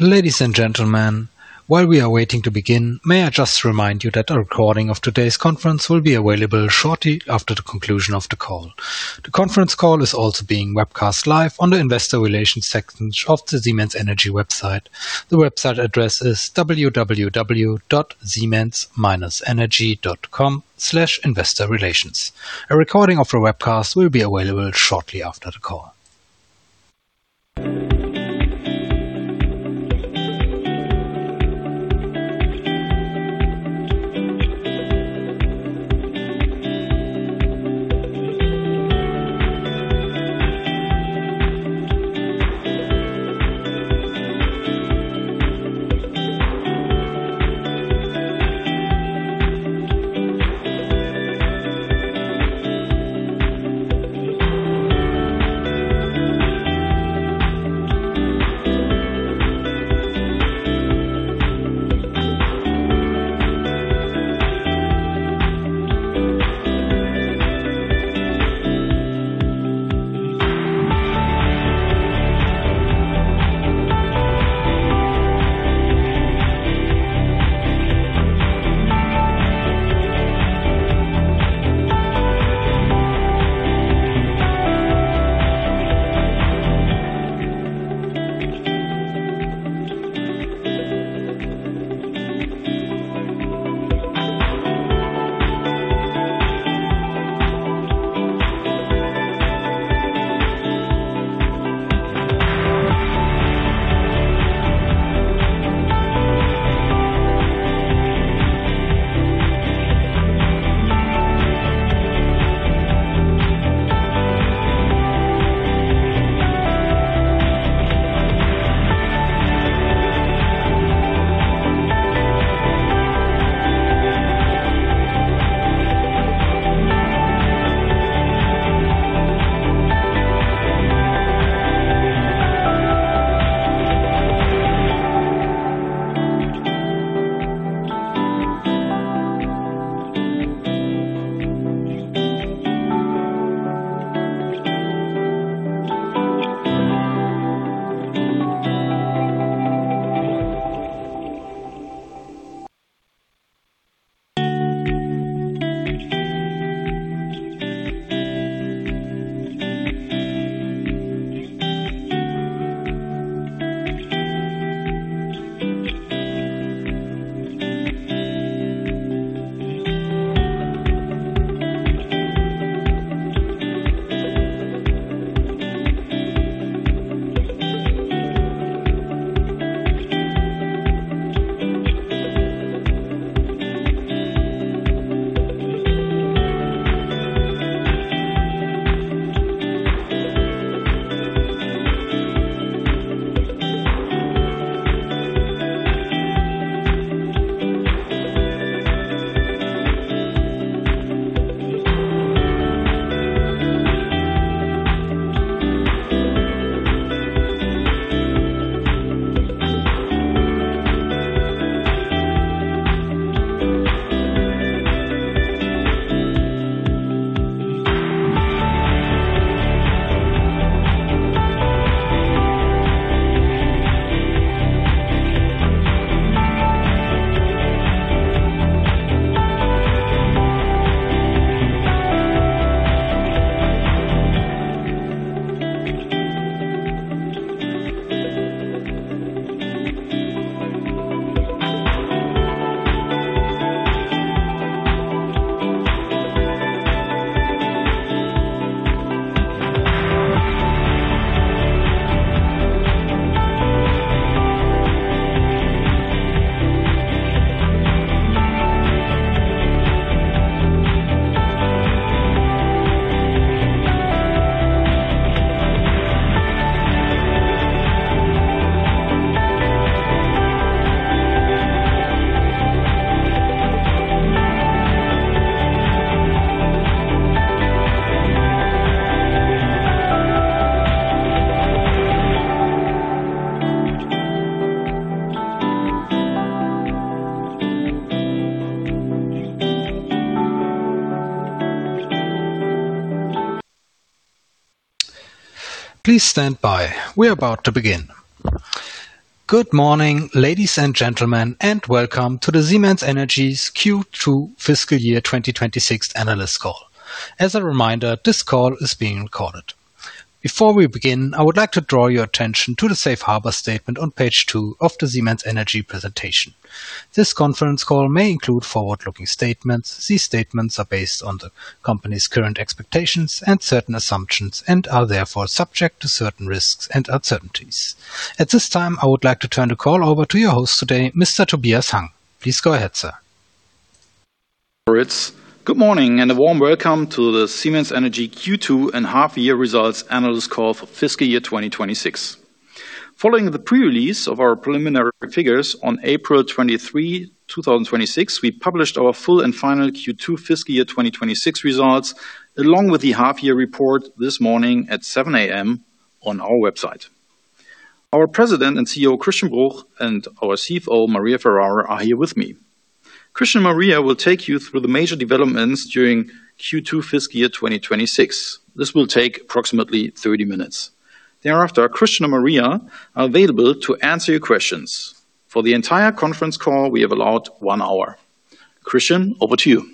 Ladies and gentlemen, while we are waiting to begin, may I just remind you that a recording of today's conference will be available shortly after the conclusion of the call. The conference call is also being webcast live on the investor relations section of the Siemens Energy website. The website address is www.siemens-energy.com/investorrelations. A recording of the webcast will be available shortly after the call. Please stand by. We are about to begin. Good morning, ladies and gentlemen, welcome to the Siemens Energy's Q2 fiscal year 2026 analyst call. As a reminder, this call is being recorded. Before we begin, I would like to draw your attention to the safe harbor statement on page two of the Siemens Energy presentation. This conference call may include forward-looking statements. These statements are based on the company's current expectations and certain assumptions and are therefore subject to certain risks and uncertainties. At this time, I would like to turn the call over to your host today, Mr. Tobias Hang. Please go ahead, sir. Good morning, and a warm welcome to the Siemens Energy Q2 and half-year results analyst call for fiscal year 2026. Following the pre-release of our preliminary figures on April 23, 2026, we published our full and final Q2 fiscal year 2026 results, along with the half-year report, this morning at 7:00 A.M. on our website. Our President and CEO, Christian Bruch, and our CFO, Maria Ferraro, are here with me. Christian, Maria will take you through the major developments during Q2 fiscal year 2026. This will take approximately 30 minutes. Thereafter, Christian and Maria are available to answer your questions. For the entire conference call, we have allowed one hour. Christian, over to you.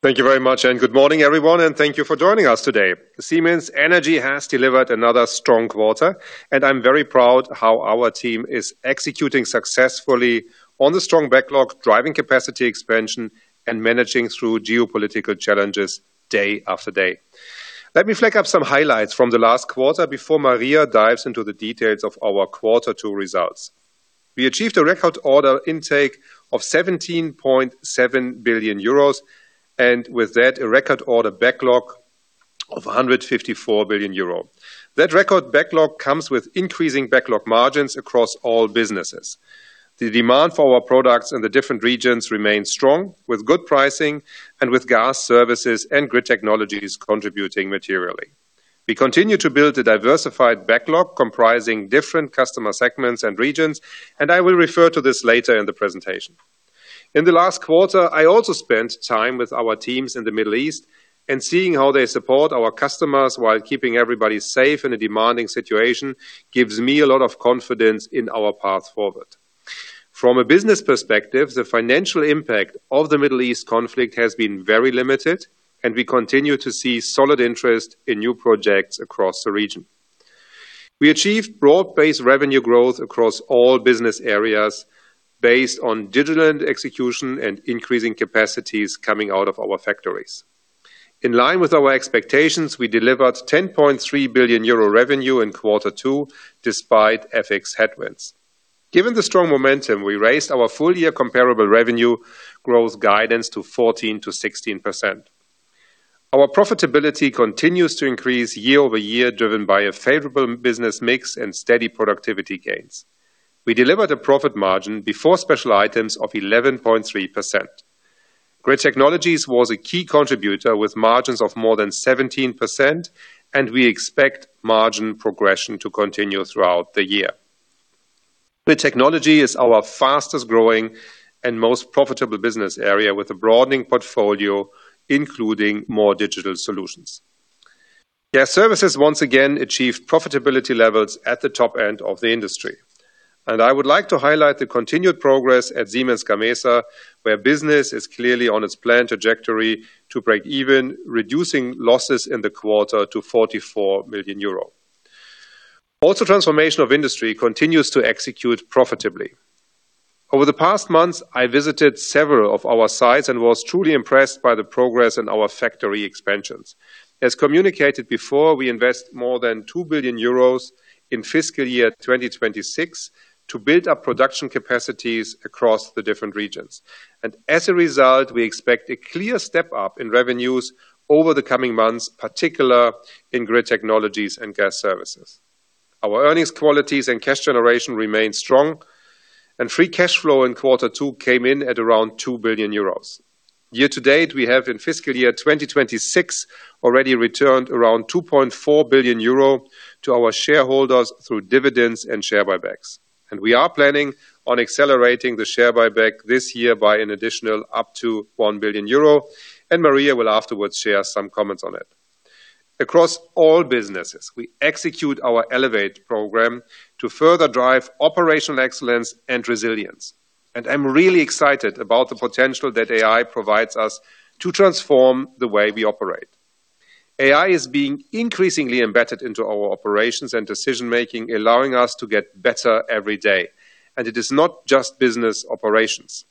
Thank you very much, and good morning, everyone. Thank you for joining us today. Siemens Energy has delivered another strong quarter, and I'm very proud how our team is executing successfully on the strong backlog, driving capacity expansion, and managing through geopolitical challenges day after day. Let me flag up some highlights from the last quarter before Maria dives into the details of our quarter two results. We achieved a record order intake of 17.7 billion euros and, with that, a record order backlog of 154 billion euro. That record backlog comes with increasing backlog margins across all businesses. The demand for our products in the different regions remains strong, with good pricing and with Gas Services and Grid Technologies contributing materially. We continue to build a diversified backlog comprising different customer segments and regions, and I will refer to this later in the presentation. In the last quarter, I also spent time with our teams in the Middle East, and seeing how they support our customers while keeping everybody safe in a demanding situation gives me a lot of confidence in our path forward. From a business perspective, the financial impact of the Middle East conflict has been very limited, and we continue to see solid interest in new projects across the region. We achieved broad-based revenue growth across all business areas based on digital and execution and increasing capacities coming out of our factories. In line with our expectations, we delivered 10.3 billion euro revenue in quarter two despite FX headwinds. Given the strong momentum, we raised our full-year comparable revenue growth guidance to 14%-16%. Our profitability continues to increase year-over-year, driven by a favorable business mix and steady productivity gains. We delivered a profit margin before special items of 11.3%. Grid Technologies was a key contributor with margins of more than 17%, and we expect margin progression to continue throughout the year. The technology is our fastest-growing and most profitable business area with a broadening portfolio, including more digital solutions. Their services once again achieved profitability levels at the top end of the industry. I would like to highlight the continued progress at Siemens Gamesa, where business is clearly on its planned trajectory to break even, reducing losses in the quarter to 44 million euro. Also, Transformation of Industry continues to execute profitably. Over the past months, I visited several of our sites and was truly impressed by the progress in our factory expansions. As communicated before, we invest more than 2 billion euros in fiscal year 2026 to build up production capacities across the different regions. As a result, we expect a clear step up in revenues over the coming months, particular in Grid Technologies and Gas Services. Our earnings, qualities and cash generation remain strong. Free cash flow in quarter two came in at around 2 billion euros. Year to date, we have in fiscal year 2026 already returned around 2.4 billion euro to our shareholders through dividends and share buybacks. We are planning on accelerating the share buyback this year by an additional up to 1 billion euro, and Maria will afterwards share some comments on it. Across all businesses, we execute our Elevate program to further drive operational excellence and resilience. I'm really excited about the potential that AI provides us to transform the way we operate. AI is being increasingly embedded into our operations and decision-making, allowing us to get better every day. It is not just business operations.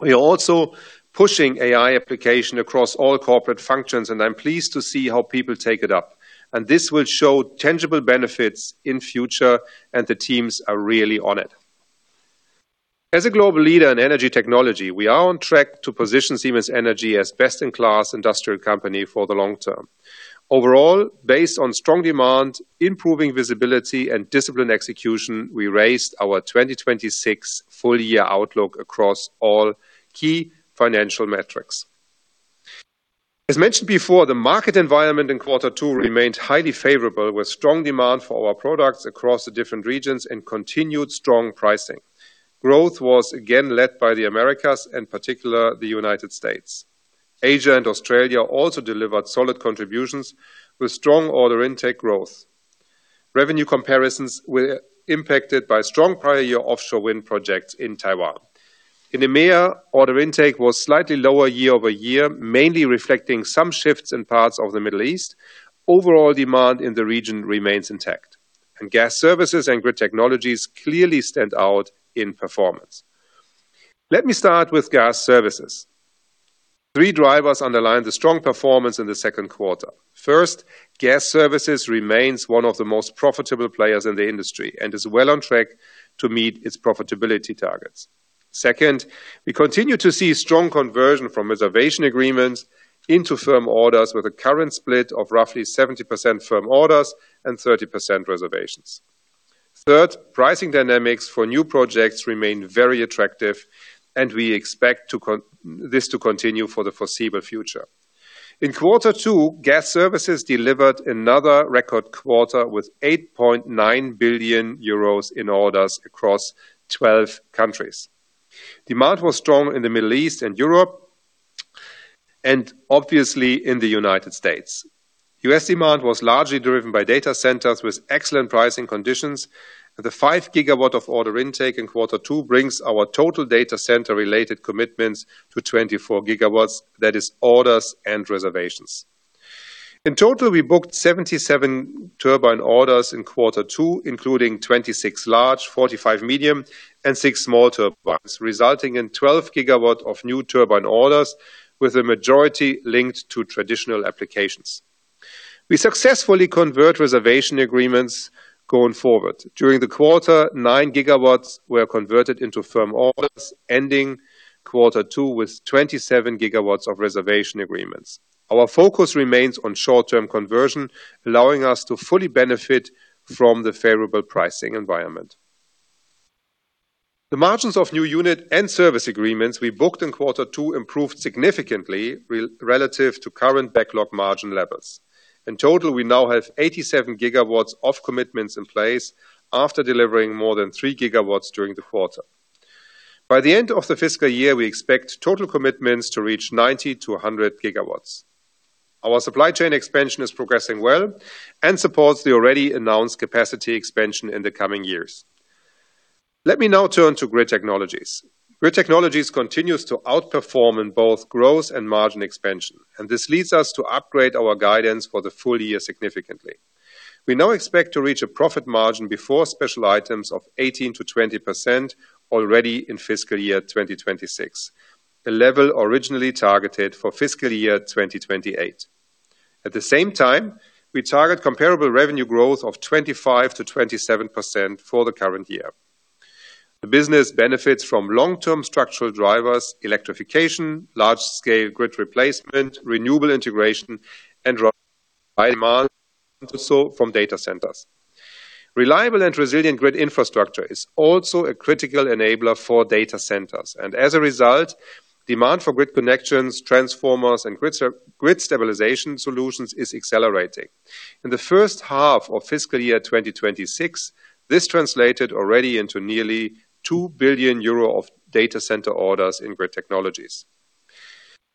We are also pushing AI application across all corporate functions, and I'm pleased to see how people take it up. This will show tangible benefits in future, and the teams are really on it. As a global leader in energy technology, we are on track to position Siemens Energy as best-in-class industrial company for the long term. Overall, based on strong demand, improving visibility, and disciplined execution, we raised our 2026 full-year outlook across all key financial metrics. As mentioned before, the market environment in quarter two remained highly favorable, with strong demand for our products across the different regions and continued strong pricing. Growth was again led by the Americas and particular the United States. Asia and Australia also delivered solid contributions with strong order intake growth. Revenue comparisons were impacted by strong prior year offshore wind projects in Taiwan. In EMEA, order intake was slightly lower year-over-year, mainly reflecting some shifts in parts of the Middle East. Overall demand in the region remains intact, and Gas Services and Grid Technologies clearly stand out in performance. Let me start with Gas Services. Three drivers underline the strong performance in the second quarter. First, Gas Services remains one of the most profitable players in the industry and is well on track to meet its profitability targets. Second, we continue to see strong conversion from reservation agreements into firm orders, with a current split of roughly 70% firm orders and 30% reservations. Third, pricing dynamics for new projects remain very attractive, and we expect this to continue for the foreseeable future. In quarter two, Gas Services delivered another record quarter with 8.9 billion euros in orders across 12 countries. Demand was strong in the Middle East and Europe, and obviously in the U.S. U.S. demand was largely driven by data centers with excellent pricing conditions. The 5 GW of order intake in quarter two brings our total data center-related commitments to 24 GW, that is, orders and reservations. In total, we booked 77 turbine orders in quarter two, including 26 large, 45 medium, and six small turbines, resulting in 12 GW of new turbine orders, with a majority linked to traditional applications. We successfully convert reservation agreements going forward. During the quarter, 9 GW were converted into firm orders, ending quarter two with 27 GW of reservation agreements. Our focus remains on short-term conversion, allowing us to fully benefit from the favorable pricing environment. The margins of new unit and service agreements we booked in Q2 improved significantly relative to current backlog margin levels. In total, we now have 87 GW of commitments in place after delivering more than 3 GW during the quarter. By the end of the fiscal year, we expect total commitments to reach 90 GW-100 GW. Our supply chain expansion is progressing well and supports the already announced capacity expansion in the coming years. Let me now turn to Grid Technologies. Grid Technologies continues to outperform in both growth and margin expansion. This leads us to upgrade our guidance for the full year significantly. We now expect to reach a profit margin before special items of 18%-20% already in fiscal year 2026, a level originally targeted for fiscal year 2028. At the same time, we target comparable revenue growth of 25%-27% for the current year. The business benefits from long-term structural drivers, electrification, large-scale grid replacement, renewable integration, and high demand, also from data centers. Reliable and resilient grid infrastructure is also a critical enabler for data centers, and as a result, demand for grid connections, transformers, and grid stabilization solutions is accelerating. In the first half of fiscal year 2026, this translated already into nearly 2 billion euro of data center orders in Grid Technologies.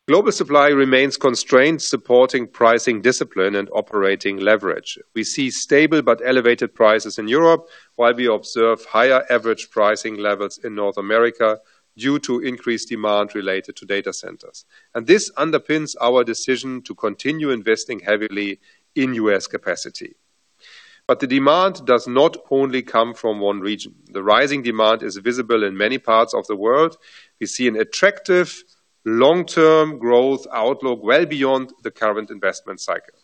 Global supply remains constrained, supporting pricing discipline and operating leverage. We see stable but elevated prices in Europe, while we observe higher average pricing levels in North America due to increased demand related to data centers. This underpins our decision to continue investing heavily in U.S. capacity. The demand does not only come from one region. The rising demand is visible in many parts of the world. We see an attractive long-term growth outlook well beyond the current investment cycle.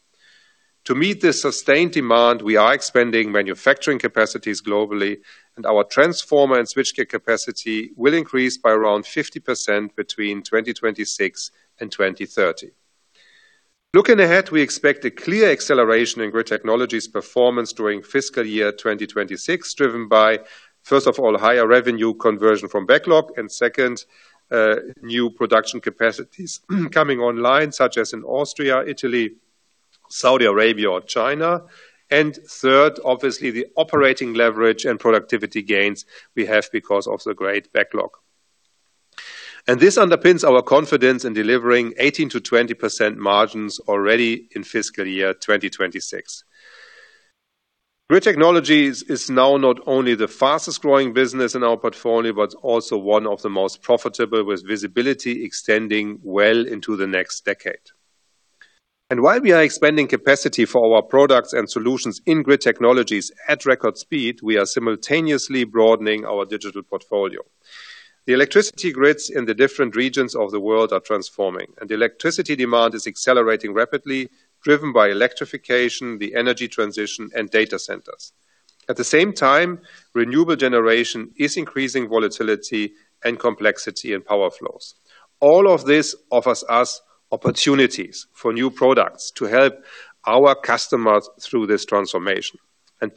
To meet the sustained demand, we are expanding manufacturing capacities globally, and our transformer and switchgear capacity will increase by around 50% between 2026 and 2030. Looking ahead, we expect a clear acceleration in Grid Technologies' performance during fiscal year 2026, driven by, first of all, higher revenue conversion from backlog, and second, new production capacities coming online, such as in Austria, Italy, Saudi Arabia or China. Third, obviously, the operating leverage and productivity gains we have because of the great backlog. This underpins our confidence in delivering 18%-20% margins already in fiscal year 2026. Grid Technologies is now not only the fastest growing business in our portfolio, but also one of the most profitable, with visibility extending well into the next decade. While we are expanding capacity for our products and solutions in Grid Technologies at record speed, we are simultaneously broadening our digital portfolio. The electricity grids in the different regions of the world are transforming, and electricity demand is accelerating rapidly, driven by electrification, the energy transition, and data centers. At the same time, renewable generation is increasing volatility and complexity in power flows. All of this offers us opportunities for new products to help our customers through this transformation.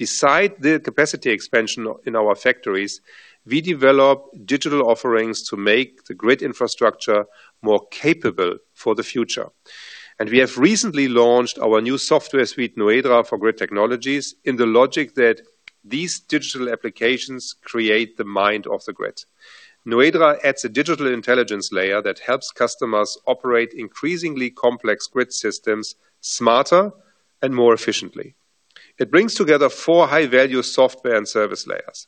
Besides the capacity expansion in our factories, we develop digital offerings to make the grid infrastructure more capable for the future. We have recently launched our new software suite, Noedra, for Grid Technologies in the logic that these digital applications create the mind of the grid. Noedra adds a digital intelligence layer that helps customers operate increasingly complex grid systems smarter and more efficiently. It brings together four high-value software and service layers.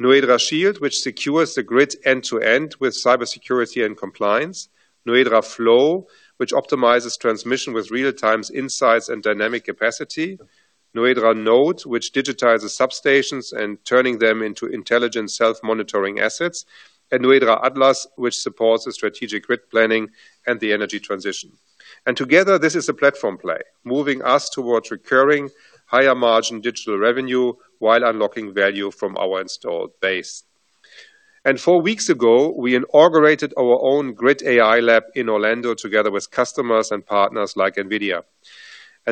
Noedra Shield, which secures the grid end-to-end with cybersecurity and compliance. Noedra Flow, which optimizes transmission with real-time insights and dynamic capacity. Noedra Node, which digitizes substations and turning them into intelligent self-monitoring assets. Noedra Atlas, which supports the strategic grid planning and the energy transition. Together, this is a platform play, moving us towards recurring higher margin digital revenue while unlocking value from our installed base. Four weeks ago, we inaugurated our own Grid AI Lab in Orlando together with customers and partners like NVIDIA.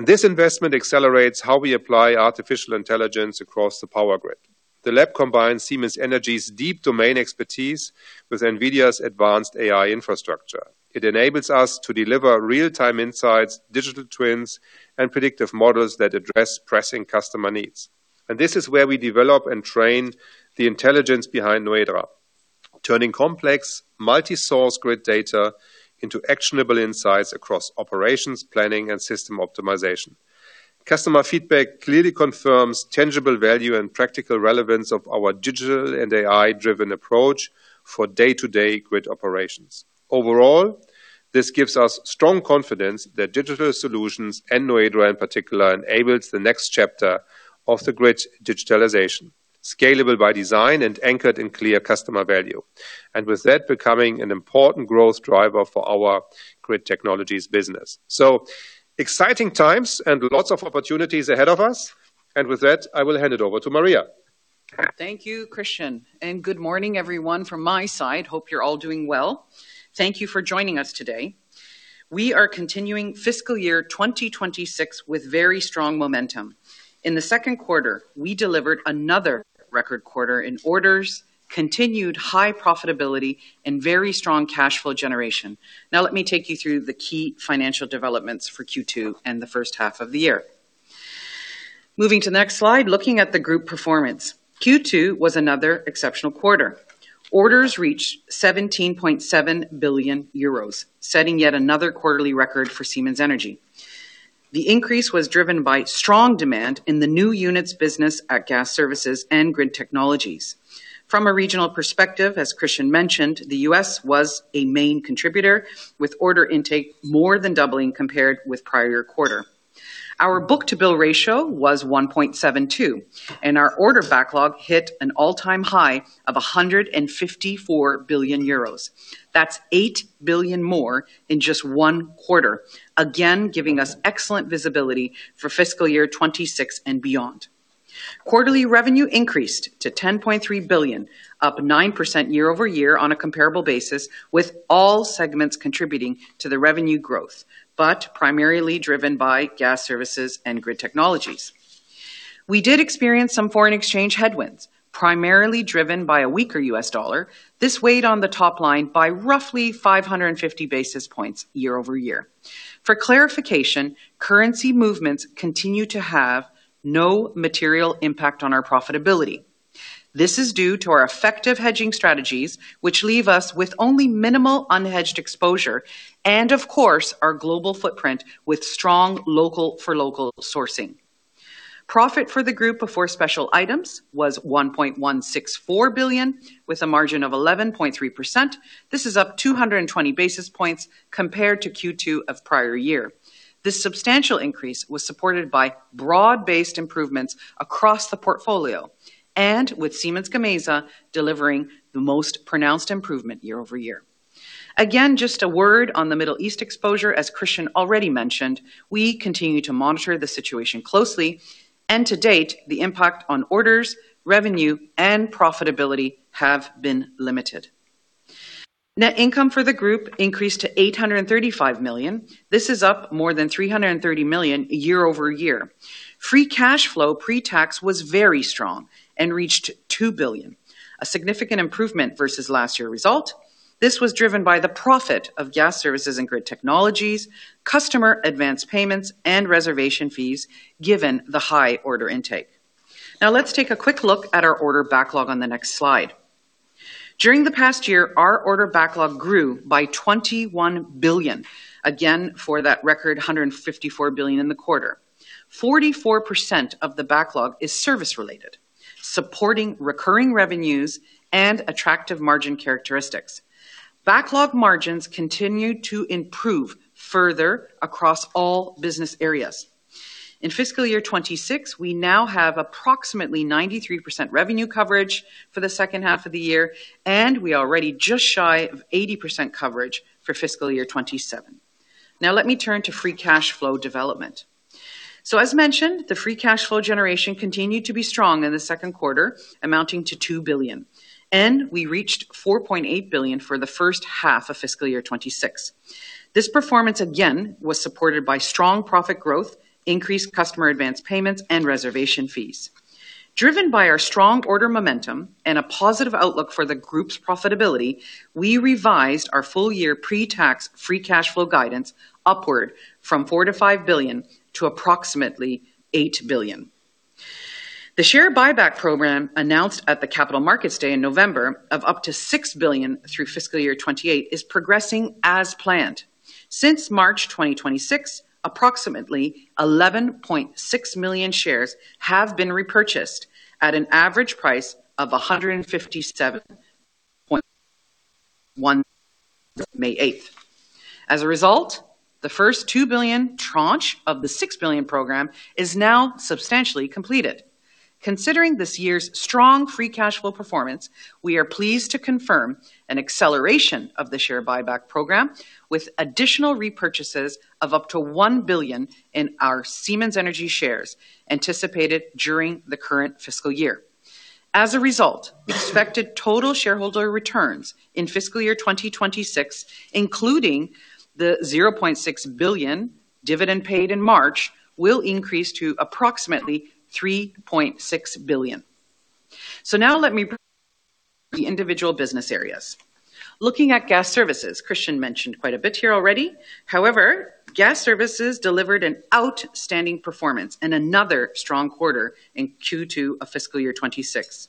This investment accelerates how we apply artificial intelligence across the power grid. The lab combines Siemens Energy's deep domain expertise with NVIDIA's advanced AI infrastructure. It enables us to deliver real-time insights, digital twins, and predictive models that address pressing customer needs. This is where we develop and train the intelligence behind Noedra, turning complex multi-source grid data into actionable insights across operations, planning, and system optimization. Customer feedback clearly confirms tangible value and practical relevance of our digital and AI-driven approach for day-to-day grid operations. Overall, this gives us strong confidence that digital solutions and Noedra in particular enables the next chapter of the grid digitalization, scalable by design and anchored in clear customer value. With that, becoming an important growth driver for our Grid Technologies business. Exciting times and lots of opportunities ahead of us. With that, I will hand it over to Maria. Thank you, Christian. Good morning, everyone, from my side. Hope you're all doing well. Thank you for joining us today. We are continuing fiscal year 2026 with very strong momentum. In the second quarter, we delivered another record quarter in orders, continued high profitability and very strong cash flow generation. Let me take you through the key financial developments for Q2 and the first half of the year. Moving to the next slide, looking at the group performance. Q2 was another exceptional quarter. Orders reached 17.7 billion euros, setting yet another quarterly record for Siemens Energy. The increase was driven by strong demand in the new units business at Gas Services and Grid Technologies. From a regional perspective, as Christian mentioned, the U.S. was a main contributor, with order intake more than doubling compared with prior quarter. Our book-to-bill ratio was 1.72, our order backlog hit an all-time high of 154 billion euros. That's 8 billion more in just one quarter, again, giving us excellent visibility for fiscal year 2026 and beyond. Quarterly revenue increased to 10.3 billion, up 9% year-over-year on a comparable basis, with all segments contributing to the revenue growth, primarily driven by Gas Services and Grid Technologies. We did experience some foreign exchange headwinds, primarily driven by a weaker U.S. dollar. This weighed on the top line by roughly 550 basis points year-over-year. For clarification, currency movements continue to have no material impact on our profitability. This is due to our effective hedging strategies, which leave us with only minimal unhedged exposure and of course, our global footprint with strong local for local sourcing. Profit for the group before special items was 1.164 billion, with a margin of 11.3%. This is up 220 basis points compared to Q2 of prior year. This substantial increase was supported by broad-based improvements across the portfolio, and with Siemens Gamesa delivering the most pronounced improvement year-over-year. Again, just a word on the Middle East exposure, as Christian already mentioned, we continue to monitor the situation closely, and to date, the impact on orders, revenue, and profitability have been limited. Net income for the group increased to 835 million. This is up more than 330 million year-over-year. Free cash flow pre-tax was very strong and reached 2 billion, a significant improvement versus last year result. This was driven by the profit of Gas Services and Grid Technologies, customer advance payments and reservation fees, given the high order intake. Let's take a quick look at our order backlog on the next slide. During the past year, our order backlog grew by 21 billion, again, for that record 154 billion in the quarter. 44% of the backlog is service-related, supporting recurring revenues and attractive margin characteristics. Backlog margins continued to improve further across all business areas. In fiscal year 2026, we now have approximately 93% revenue coverage for the second half of the year, and we are already just shy of 80% coverage for fiscal year 2027. Let me turn to free cash flow development. As mentioned, the free cash flow generation continued to be strong in the second quarter, amounting to 2 billion. We reached 4.8 billion for the first half of fiscal year 2026. This performance, again, was supported by strong profit growth, increased customer advance payments and reservation fees. Driven by our strong order momentum and a positive outlook for the group's profitability, we revised our full-year pre-tax free cash flow guidance upward from 4 billion-5 billion to approximately 8 billion. The share buyback program announced at the Capital Markets Day in November of up to 6 billion through fiscal year 2028 is progressing as planned. Since March 2026, approximately 11.6 million shares have been repurchased at an average price of 157.1, May 8. As a result, the first 2 billion tranche of the 6 billion program is now substantially completed. Considering this year's strong free cash flow performance, we are pleased to confirm an acceleration of the share buyback program with additional repurchases of up to 1 billion in our Siemens Energy shares anticipated during the current fiscal year. Expected total shareholder returns in fiscal year 2026, including the 0.6 billion dividend paid in March, will increase to approximately 3.6 billion. Now let me the individual business areas. Looking at Gas Services, Christian mentioned quite a bit here already. Gas Services delivered an outstanding performance and another strong quarter in Q2 of fiscal year 2026.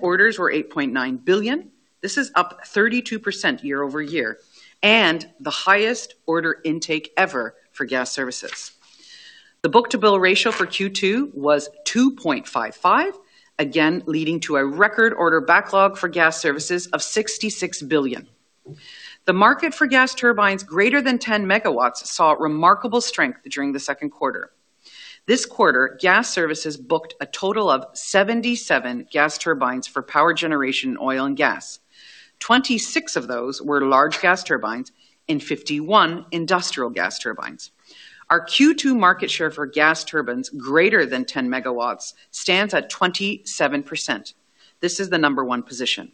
Orders were 8.9 billion. This is up 32% year-over-year, the highest order intake ever for Gas Services. The book-to-bill ratio for Q2 was 2.55, again leading to a record order backlog for Gas Services of 66 billion. The market for gas turbines greater than 10 MW saw remarkable strength during the second quarter. This quarter, Gas Services booked a total of 77 gas turbines for power generation, oil and gas. 26 of those were large gas turbines and 51 industrial gas turbines. Our Q2 market share for gas turbines greater than 10 MW stands at 27%. This is the number one position.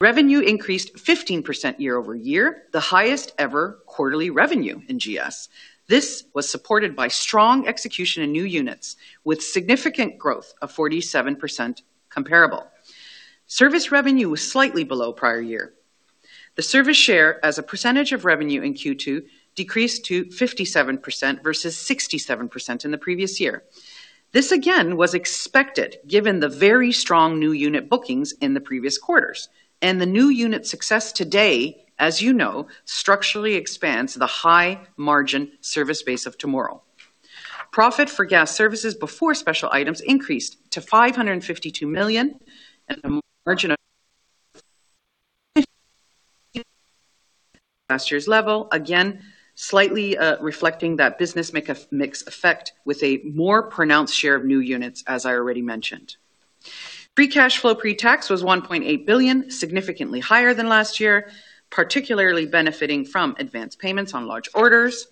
Revenue increased 15% year-over-year, the highest ever quarterly revenue in GS. This was supported by strong execution in new units with significant growth of 47% comparable. Service revenue was slightly below prior year. The service share as a percentage of revenue in Q2 decreased to 57% versus 67% in the previous year. This again was expected, given the very strong new unit bookings in the previous quarters. The new unit success today, as you know, structurally expands the high-margin service base of tomorrow. Profit for Gas Services before special items increased to 552 million and a margin of last year's level, again, slightly, reflecting that business mix effect with a more pronounced share of new units, as I already mentioned. Free cash flow pre-tax was 1.8 billion, significantly higher than last year, particularly benefiting from advanced payments on large orders.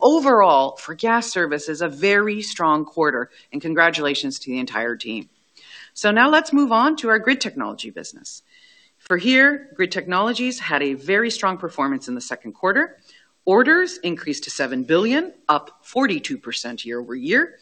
Overall, for Gas Services, a very strong quarter. Congratulations to the entire team. Now let's move on to our Grid Technologies business. Here, Grid Technologies had a very strong performance in the second quarter. Orders increased to 7 billion, up 42% year-over-year.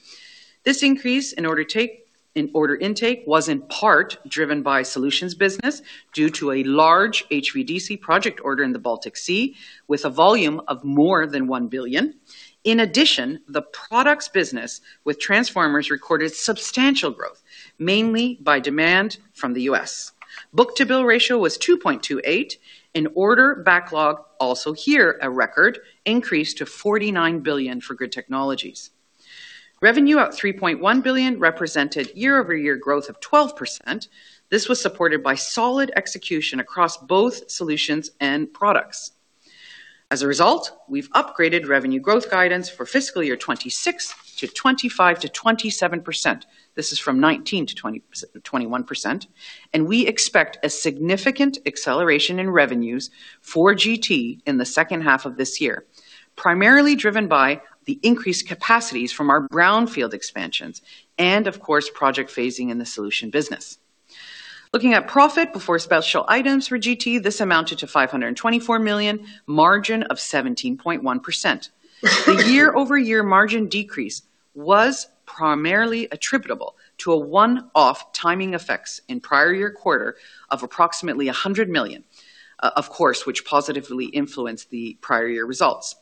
This increase in order intake was in part driven by solutions business due to a large HVDC project order in the Baltic Sea with a volume of more than 1 billion. In addition, the products business with transformers recorded substantial growth, mainly by demand from the U.S. Book-to-bill ratio was 2.28, and order backlog also here a record increased to 49 billion for Grid Technologies. Revenue at 3.1 billion represented year-over-year growth of 12%. This was supported by solid execution across both solutions and products. As a result, we've upgraded revenue growth guidance for fiscal year 2026 to 25%-27%. This is from 19%-21%. We expect a significant acceleration in revenues for GT in the second half of this year, primarily driven by the increased capacities from our brownfield expansions and, of course, project phasing in the solution business. Looking at profit before special items for GT, this amounted to 524 million, margin of 17.1%. The year-over-year margin decrease was primarily attributable to a one-off timing effects in prior year quarter of approximately 100 million, of course, which positively influenced the prior year results.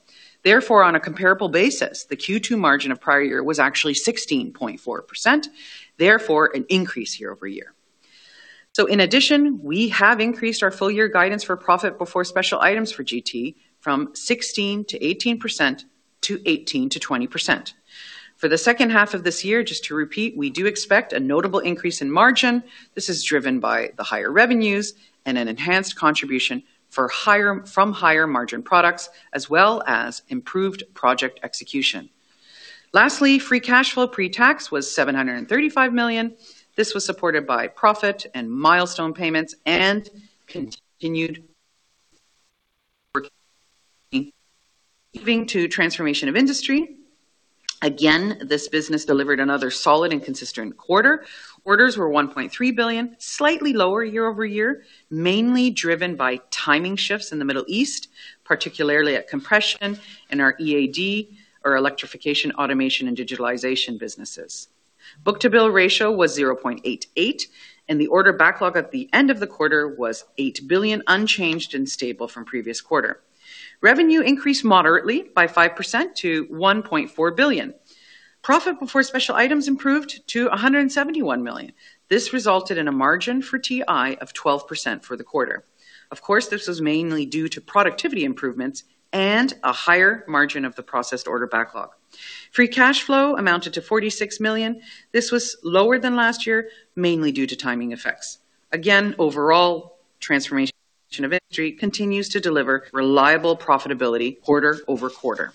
On a comparable basis, the Q2 margin of prior year was actually 16.4%, therefore an increase year-over-year. In addition, we have increased our full-year guidance for profit before special items for GT from 16%-18% to 18%-20%. For the second half of this year, just to repeat, we do expect a notable increase in margin. This is driven by the higher revenues and an enhanced contribution from higher margin products, as well as improved project execution. Lastly, free cash flow pre-tax was 735 million. This was supported by profit and milestone payments and continued to Transformation of Industry. Again, this business delivered another solid and consistent quarter. Orders were 1.3 billion, slightly lower year-over-year, mainly driven by timing shifts in the Middle East, particularly at compression in our EAD or electrification, automation, and digitalization businesses. Book-to-bill ratio was 0.88, and the order backlog at the end of the quarter was 8 billion, unchanged and stable from previous quarter. Revenue increased moderately by 5% to 1.4 billion. Profit before special items improved to 171 million. This resulted in a margin for TI of 12% for the quarter. Of course, this was mainly due to productivity improvements and a higher margin of the processed order backlog. Free cash flow amounted to 46 million. This was lower than last year, mainly due to timing effects. Again, overall, Transformation of Industry continues to deliver reliable profitability quarter-over-quarter.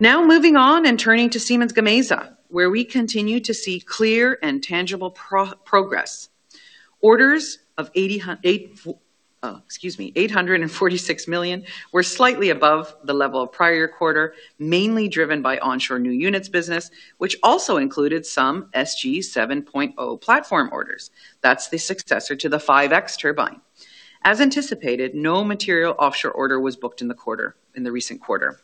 Now moving on and turning to Siemens Gamesa, where we continue to see clear and tangible progress. Orders of 846 million were slightly above the level of prior quarter, mainly driven by onshore new units business, which also included some SG 7.0 platform orders. That's the successor to the 5.X turbine. As anticipated, no material offshore order was booked in the recent quarter.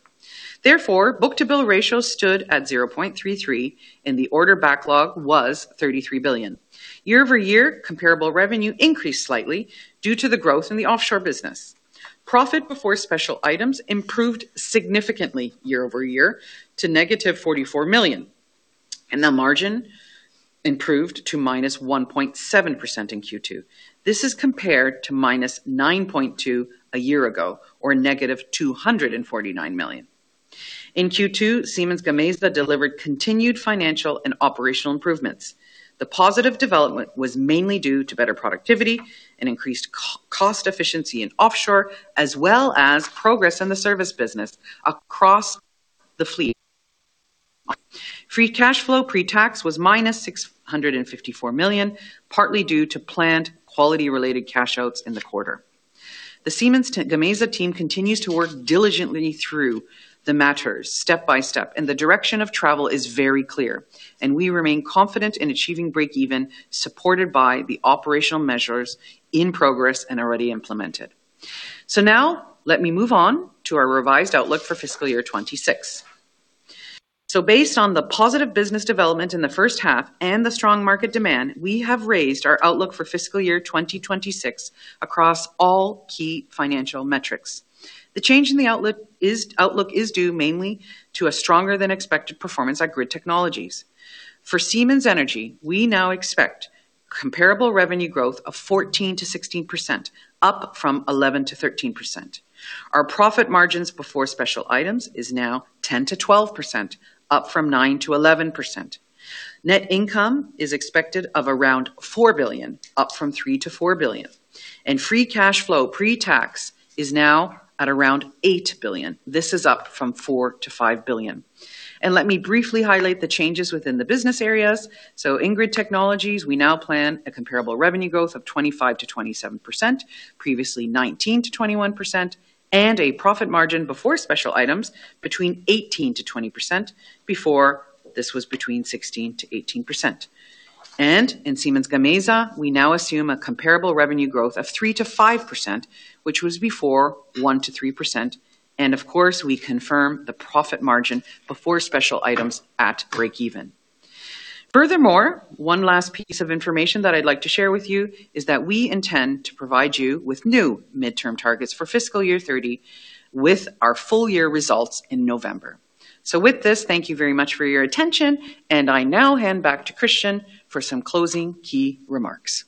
Book-to-bill ratio stood at 0.33, and the order backlog was 33 billion. Year-over-year, comparable revenue increased slightly due to the growth in the offshore business. Profit before special items improved significantly year-over-year to -44 million. The margin improved to -1.7% in Q2. This is compared to -9.2% a year ago, or -249 million. In Q2, Siemens Gamesa delivered continued financial and operational improvements. The positive development was mainly due to better productivity and increased cost efficiency in offshore, as well as progress in the service business across the fleet. Free cash flow pre-tax was -654 million, partly due to plant quality-related cash outs in the quarter. The Siemens Gamesa team continues to work diligently through the matters step by step. The direction of travel is very clear. We remain confident in achieving break-even, supported by the operational measures in progress and already implemented. Now, let me move on to our revised outlook for fiscal year 2026. Based on the positive business development in the first half and the strong market demand, we have raised our outlook for fiscal year 2026 across all key financial metrics. The change in the outlook is due mainly to a stronger-than-expected performance at Grid Technologies. For Siemens Energy, we now expect comparable revenue growth of 14%-16%, up from 11%-13%. Our profit margins before special items is now 10%-12%, up from 9%-11%. Net income is expected of around 4 billion, up from 3 billion-4 billion. Free cash flow pre-tax is now at around 8 billion. This is up from 4 billion- 5 billion. Let me briefly highlight the changes within the business areas. In Grid Technologies, we now plan a comparable revenue growth of 25%-27%, previously 19%-21%, and a profit margin before special items between 18%-20%. Before, this was between 16%-18%. In Siemens Gamesa, we now assume a comparable revenue growth of 3%-5%, which was before 1%-3%. Of course, we confirm the profit margin before special items at break-even. Furthermore, one last piece of information that I'd like to share with you is that we intend to provide you with new midterm targets for fiscal year 2030 with our full-year results in November. With this, thank you very much for your attention, and I now hand back to Christian for some closing key remarks.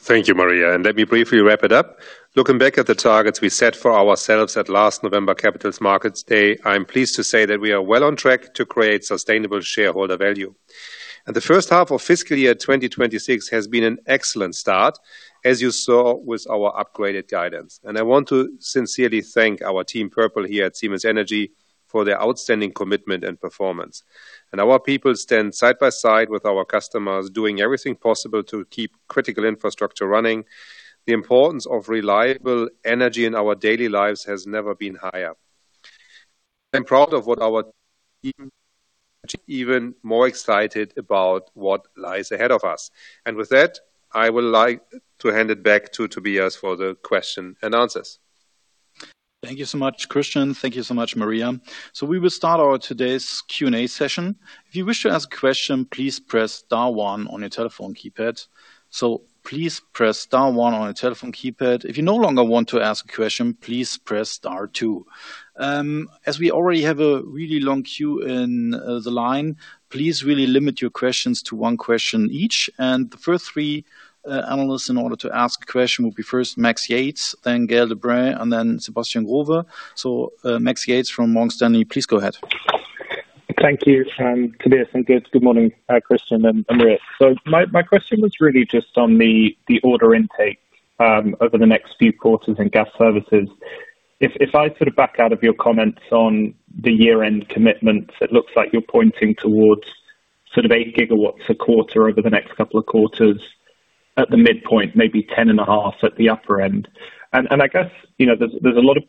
Thank you, Maria, and let me briefly wrap it up. Looking back at the targets we set for ourselves at last November Capital Markets Day, I'm pleased to say that we are well on track to create sustainable shareholder value. The first half of fiscal year 2026 has been an excellent start, as you saw with our upgraded guidance. I want to sincerely thank our Team Purple here at Siemens Energy for their outstanding commitment and performance. Our people stand side by side with our customers, doing everything possible to keep critical infrastructure running. The importance of reliable energy in our daily lives has never been higher. I'm proud of what our team even more excited about what lies ahead of us. With that, I would like to hand it back to Tobias for the question and answers. Thank you so much, Christian. Thank you so much, Maria. We will start our today's Q&A session. If you wish to ask a question, please press star one on your telephone keypad. Please press star one on your telephone keypad. If you no longer want to ask a question, please press star two. As we already have a really long queue in the line, please really limit your questions to one question each. The first three analysts, in order to ask a question, will be first Max Yates, then Gael de Bray, and then Sebastian Growe. Max Yates from Morgan Stanley, please go ahead. Thank you, Tobias and good morning, Christian and Maria. My question was really just on the order intake over the next few quarters in Gas Services. If I sort of back out of your comments on the year-end commitments, it looks like you're pointing towards sort of 8 GW a quarter over the next couple of quarters at the midpoint, maybe 10.5 at the upper end. I guess, you know, there's a lot of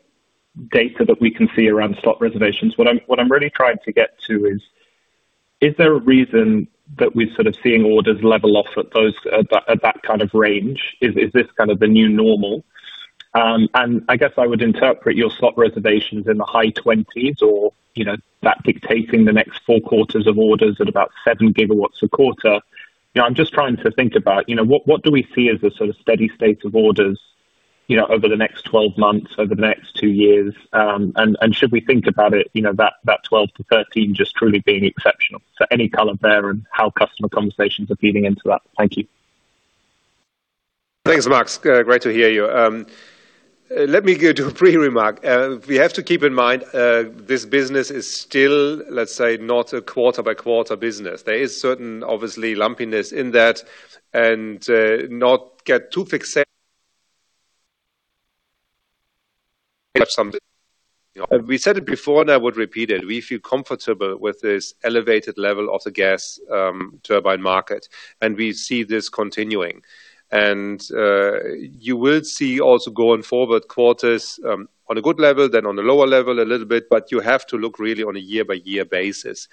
data that we can see around slot reservations. What I'm really trying to get to is there a reason that we're sort of seeing orders level off at that, at that kind of range? Is this kind of the new normal? I guess I would interpret your slot reservations in the high 20s or, you know, that dictating the next four quarters of orders at about 7 GW a quarter. You know, I'm just trying to think about, you know, what do we see as the sort of steady state of orders, you know, over the next 12 months, over the next two years? Should we think about it, you know, that 12-13 just truly being exceptional? Any color there on how customer conversations are feeding into that. Thank you. Thanks, Max. Great to hear you. Let me go to a pre-remark. We have to keep in mind, this business is still, let's say, not a quarter-by-quarter business. There is certain, obviously, lumpiness in that, and not get too fixated. We said it before, and I would repeat it. We feel comfortable with this elevated level of the gas turbine market, and we see this continuing. You will see also going forward, quarters, on a good level, then on a lower level a little bit, but you have to look really on a year-by-year basis.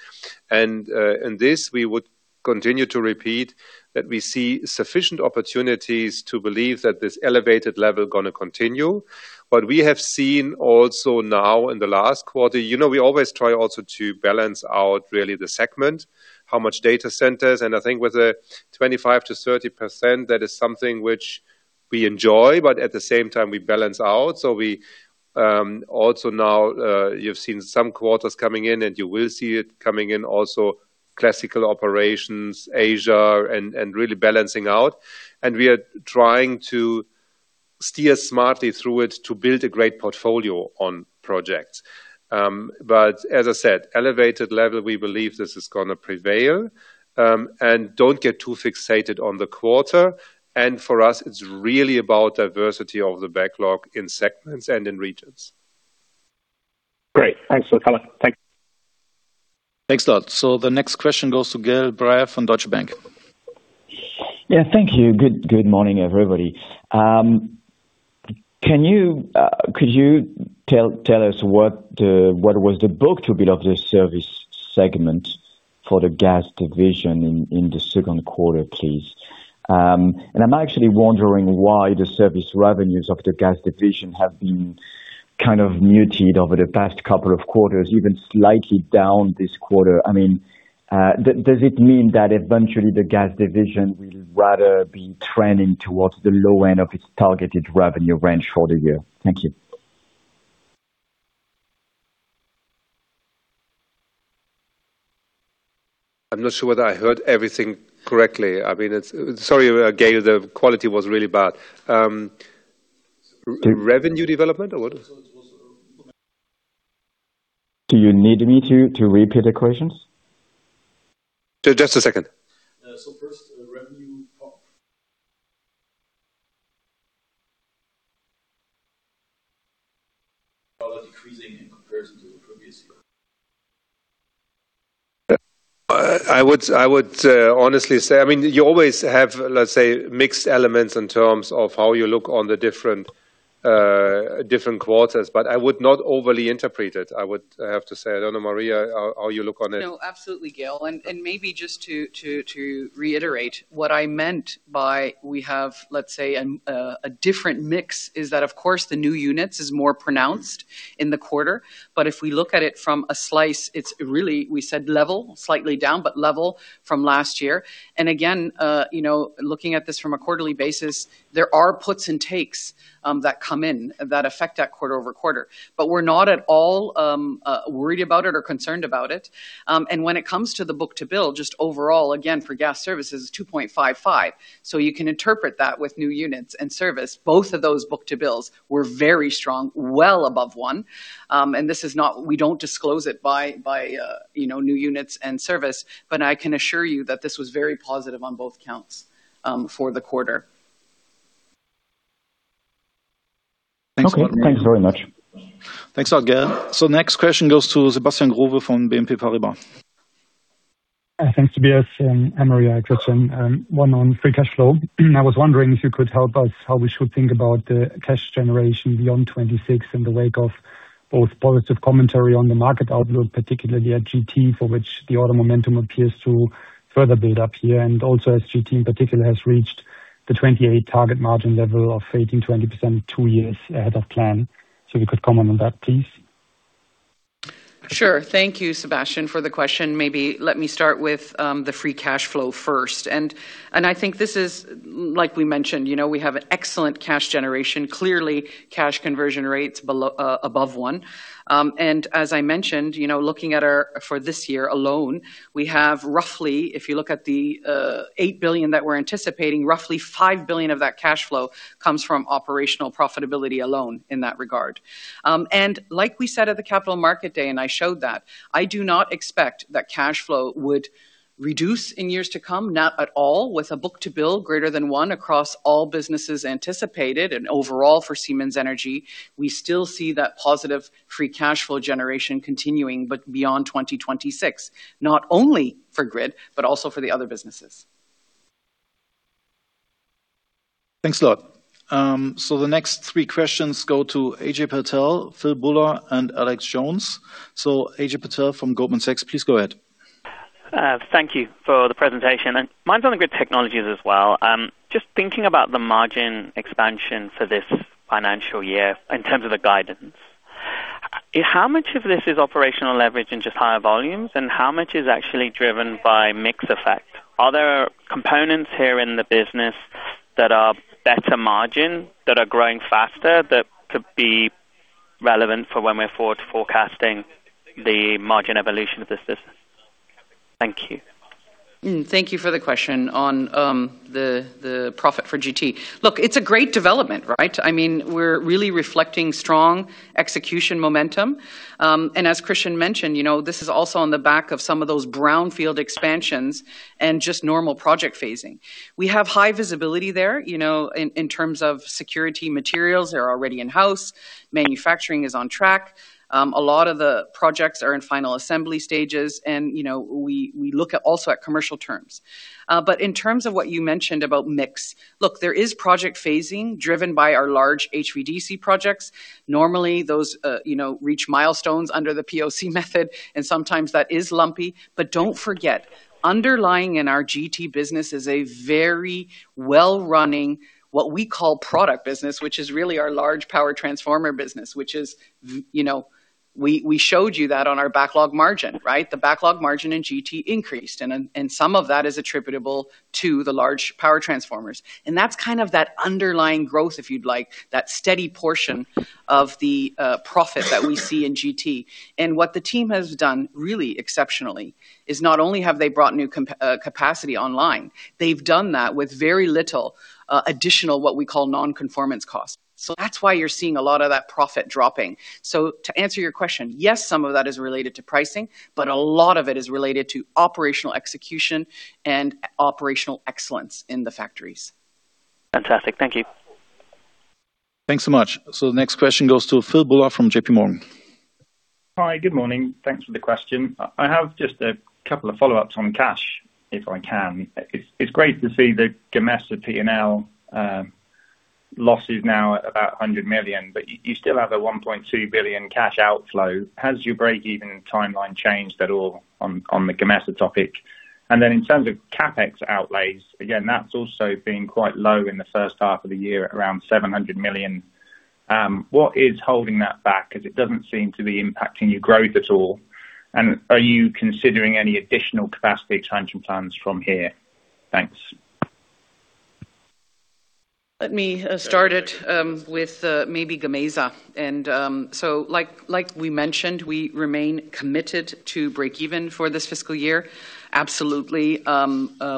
This we would continue to repeat that we see sufficient opportunities to believe that this elevated level gonna continue. What we have seen also now in the last quarter, you know, we always try also to balance out really the segment, how much data centers, and I think with the 25%-30%, that is something which we enjoy, but at the same time we balance out. We also now, you've seen some quarters coming in, and you will see it coming in also classical operations, Asia, and really balancing out. We are trying to steer smartly through it to build a great portfolio on projects. But as I said, elevated level, we believe this is gonna prevail. Don't get too fixated on the quarter. For us, it's really about diversity of the backlog in segments and in regions. Great. Thanks a lot. Thanks. Thanks a lot. The next question goes to Gael de Bray from Deutsche Bank. Yeah, thank you. Good morning, everybody. Could you tell us what was the book-to-bill this service segment for the Gas Services in the second quarter, please? I'm actually wondering why the service revenues of the Gas Services have been kind of muted over the past couple of quarters, even slightly down this quarter. I mean, does it mean that eventually the Gas Services will rather be trending towards the low end of its targeted revenue range for the year? Thank you. I'm not sure whether I heard everything correctly. I mean, sorry, Gael, the quality was really bad. Revenue development or what? Do you need me to repeat the questions? Just a second. First, revenue pop. How is it decreasing in comparison to the previous year? I would honestly say, I mean, you always have, let's say, mixed elements in terms of how you look on the different quarters, but I would not overly interpret it, I would have to say. I don't know, Maria, how you look on it? No, absolutely, Gael. Maybe just to reiterate, what I meant by we have, let's say, a different mix is that, of course, the new units is more pronounced in the quarter. If we look at it from a slice, it's really we said level, slightly down, but level from last year. Again, you know, looking at this from a quarterly basis, there are puts and takes that come in that affect that quarter-over-quarter. We're not at all worried about it or concerned about it. When it comes to the book-to-bill, just overall, again, for Gas Services, 2.55. You can interpret that with new units and service. Both of those book-to-bills were very strong, well above 1. We don't disclose it by, you know, new units and service, but I can assure you that this was very positive on both counts for the quarter. Okay. Thanks very much. Thanks a lot, Gael. Next question goes to Sebastian Growe from BNP Paribas. Thanks, Tobias and Maria. A question, one on free cash flow. I was wondering if you could help us how we should think about the cash generation beyond 2026 in the wake of both positive commentary on the market outlook, particularly at GT, for which the order momentum appears to further build up here, and also as GT in particular has reached the 2028 target margin level of 18%-20%, two years ahead of plan. If you could comment on that, please. Sure. Thank you, Sebastian, for the question. Maybe let me start with the free cash flow first. I think this is like we mentioned, you know, we have an excellent cash generation. Clearly, cash conversion rates above 1. As I mentioned, you know, looking at our for this year alone, we have roughly, if you look at the 8 billion that we're anticipating, roughly 5 billion of that cash flow comes from operational profitability alone in that regard. Like we said at the Capital Markets Day, and I showed that, I do not expect that cash flow would reduce in years to come, not at all, with a book-to-bill greater than 1 across all businesses anticipated and overall for Siemens Energy. We still see that positive free cash flow generation continuing, but beyond 2026, not only for Grid, but also for the other businesses. Thanks a lot. The next three questions go to Ajay Patel, Phil Buller, and Alex Jones. Ajay Patel from Goldman Sachs, please go ahead. Thank you for the presentation. Mine's on the Grid Technologies as well. Just thinking about the margin expansion for this financial year in terms of the guidance. How much of this is operational leverage and just higher volumes, and how much is actually driven by mix effect? Are there components here in the business that are better margin, that are growing faster, that could be relevant for when we're forward forecasting the margin evolution of this business? Thank you. Thank you for the question on the profit for GT. Look, it's a great development, right? I mean, we're really reflecting strong execution momentum. As Christian mentioned, you know, this is also on the back of some of those brownfield expansions and just normal project phasing. We have high visibility there, you know, in terms of security materials. They're already in-house. Manufacturing is on track. A lot of the projects are in final assembly stages and, you know, we look at also at commercial terms. In terms of what you mentioned about mix, look, there is project phasing driven by our large HVDC projects. Normally, those, you know, reach milestones under the PoC method, and sometimes that is lumpy. Don't forget, underlying in our GT business is a very well-running, what we call, product business, which is really our large power transformer business, which is you know, we showed you that on our backlog margin, right? The backlog margin in GT increased, and some of that is attributable to the large power transformers. That's kind of that underlying growth, if you'd like, that steady portion of the profit that we see in GT. What the team has done really exceptionally is not only have they brought new capacity online, they've done that with very little additional, what we call non-conformance costs. That's why you're seeing a lot of that profit dropping. To answer your question, yes, some of that is related to pricing, but a lot of it is related to operational execution and operational excellence in the factories. Fantastic. Thank you. Thanks so much. The next question goes to Phil Buller from JPMorgan. Hi, good morning. Thanks for the question. I have just a couple of follow-ups on cash, if I can. It's great to see the Gamesa P&L losses now at about 100 million, but you still have a 1.2 billion cash outflow. Has your break-even timeline changed at all on the Gamesa topic? In terms of CapEx outlays, again, that's also been quite low in the first half of the year at around 700 million. What is holding that back? 'Cause it doesn't seem to be impacting your growth at all. Are you considering any additional capacity expansion plans from here? Thanks. Let me start it with maybe Gamesa. Like we mentioned, we remain committed to break-even for this fiscal year. Absolutely.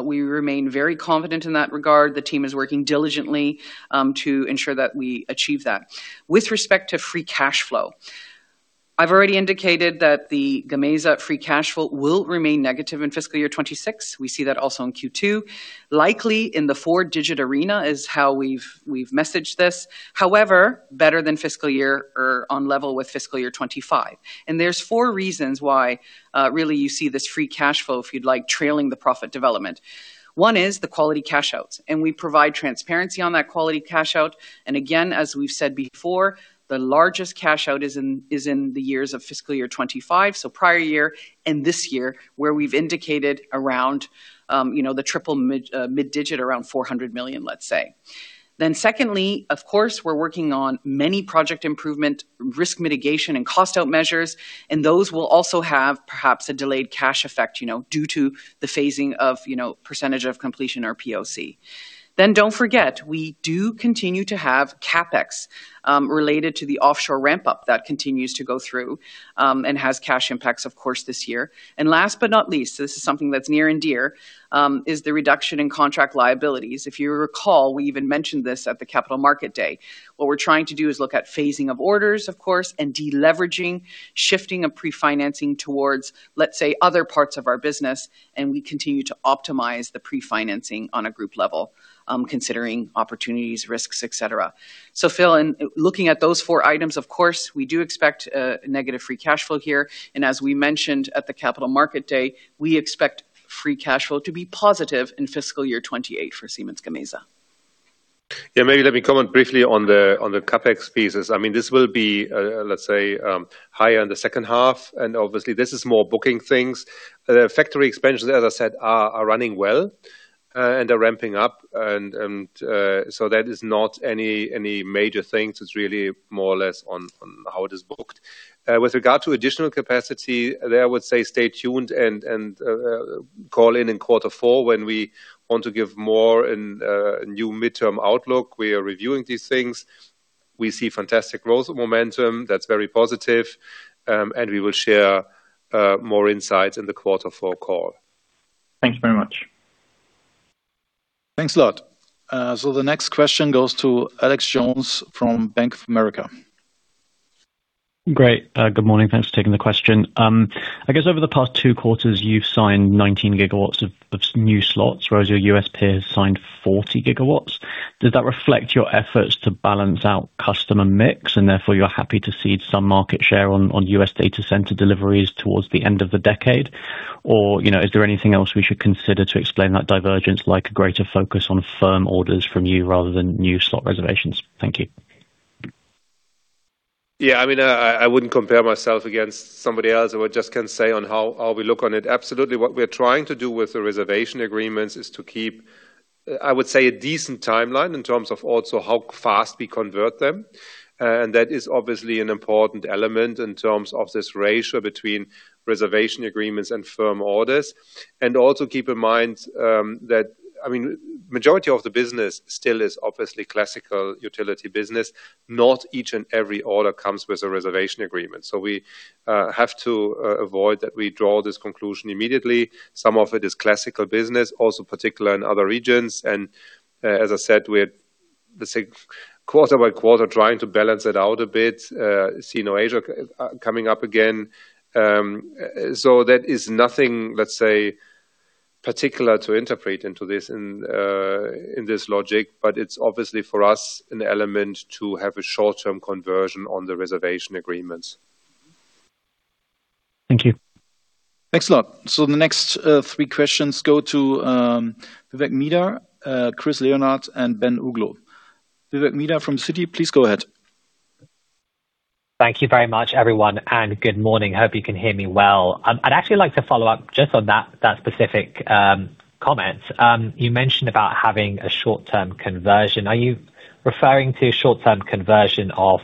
We remain very confident in that regard. The team is working diligently to ensure that we achieve that. With respect to free cash flow, I've already indicated that the Gamesa free cash flow will remain negative in fiscal year 2026. We see that also in Q2. Likely in the EUR 4-digit arena is how we've messaged this. However, better than fiscal year or on level with fiscal year 2025. There's four reasons why really you see this free cash flow, if you'd like, trailing the profit development. One is the quality cash outs, and we provide transparency on that quality cash out. Again, as we've said before, the largest cash out is in the years of fiscal year 2025, so prior year and this year, where we've indicated around, you know, the triple mid digit, around 400 million, let's say. Secondly, of course, we're working on many project improvement, risk mitigation and cost-out measures, and those will also have perhaps a delayed cash effect, you know, due to the phasing of, you know, percentage of completion or PoC. Don't forget, we do continue to have CapEx related to the offshore ramp-up that continues to go through and has cash impacts, of course, this year. Last but not least, this is something that's near and dear, is the reduction in contract liabilities. If you recall, we even mentioned this at the Capital Markets Day. What we're trying to do is look at phasing of orders, of course, and de-leveraging, shifting of pre-financing towards, let's say, other parts of our business, and we continue to optimize the pre-financing on a group level, considering opportunities, risks, et cetera. Phil, in looking at those four items, of course, we do expect a negative free cash flow here. As we mentioned at the Capital Markets Day, we expect free cash flow to be positive in fiscal year 2028 for Siemens Gamesa. Yeah, maybe let me comment briefly on the, on the CapEx pieces. I mean, this will be, let's say, higher in the second half, and obviously, this is more booking things. The factory expansions, as I said, are running well, and they're ramping up, and so that is not any major things. It's really more or less on how it is booked. With regard to additional capacity, there I would say stay tuned and call in in quarter four when we want to give more and new midterm outlook. We are reviewing these things. We see fantastic growth momentum that's very positive, and we will share more insights in the quarter four call. Thank you very much. Thanks a lot. The next question goes to Alex Jones from Bank of America. Great. Good morning. Thanks for taking the question. I guess over the past two quarters, you've signed 19 GW of new slots, whereas your U.S. peers signed 40 GW. Does that reflect your efforts to balance out customer mix, and therefore you're happy to cede some market share on U.S. data center deliveries towards the end of the decade? You know, is there anything else we should consider to explain that divergence, like a greater focus on firm orders from you rather than new slot reservations? Thank you. I mean, I wouldn't compare myself against somebody else. I would just can say on how we look on it. Absolutely. What we're trying to do with the reservation agreements is to keep, I would say, a decent timeline in terms of also how fast we convert them. That is obviously an important element in terms of this ratio between reservation agreements and firm orders. Also, keep in mind that, I mean majority of the business still is obviously classical utility business. Not each and every order comes with a reservation agreement. We have to avoid that we draw this conclusion immediately. Some of it is classical business, also particular in other regions. As I said, quarter by quarter, trying to balance it out a bit, Asia coming up again. That is nothing, let's say, particular to interpret into this in this logic, but it's obviously for us an element to have a short-term conversion on the reservation agreements. Thank you. Thanks a lot. The next three questions go to Vivek Midha, Chris Leonard, and Ben Uglow. Vivek Midha from Citi, please go ahead. Thank you very much, everyone, and good morning. Hope you can hear me well. I'd actually like to follow up just on that specific comment. You mentioned about having a short-term conversion. Are you referring to short-term conversion of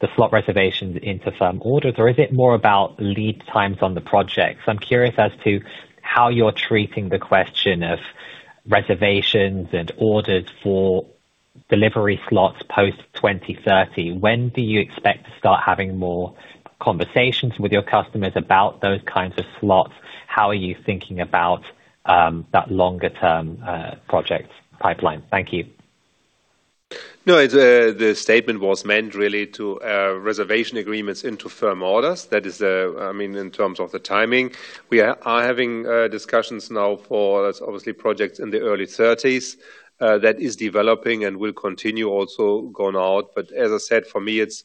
the slot reservations into firm orders, or is it more about lead times on the projects? I'm curious as to how you're treating the question of reservations and orders for delivery slots post 2030. When do you expect to start having more conversations with your customers about those kinds of slots? How are you thinking about that longer-term project pipeline? Thank you. The statement was meant really to reservation agreements into firm orders. That is, I mean, in terms of the timing. We are having discussions now for that's obviously projects in the early 30s that is developing and will continue also going out. As I said, for me, it's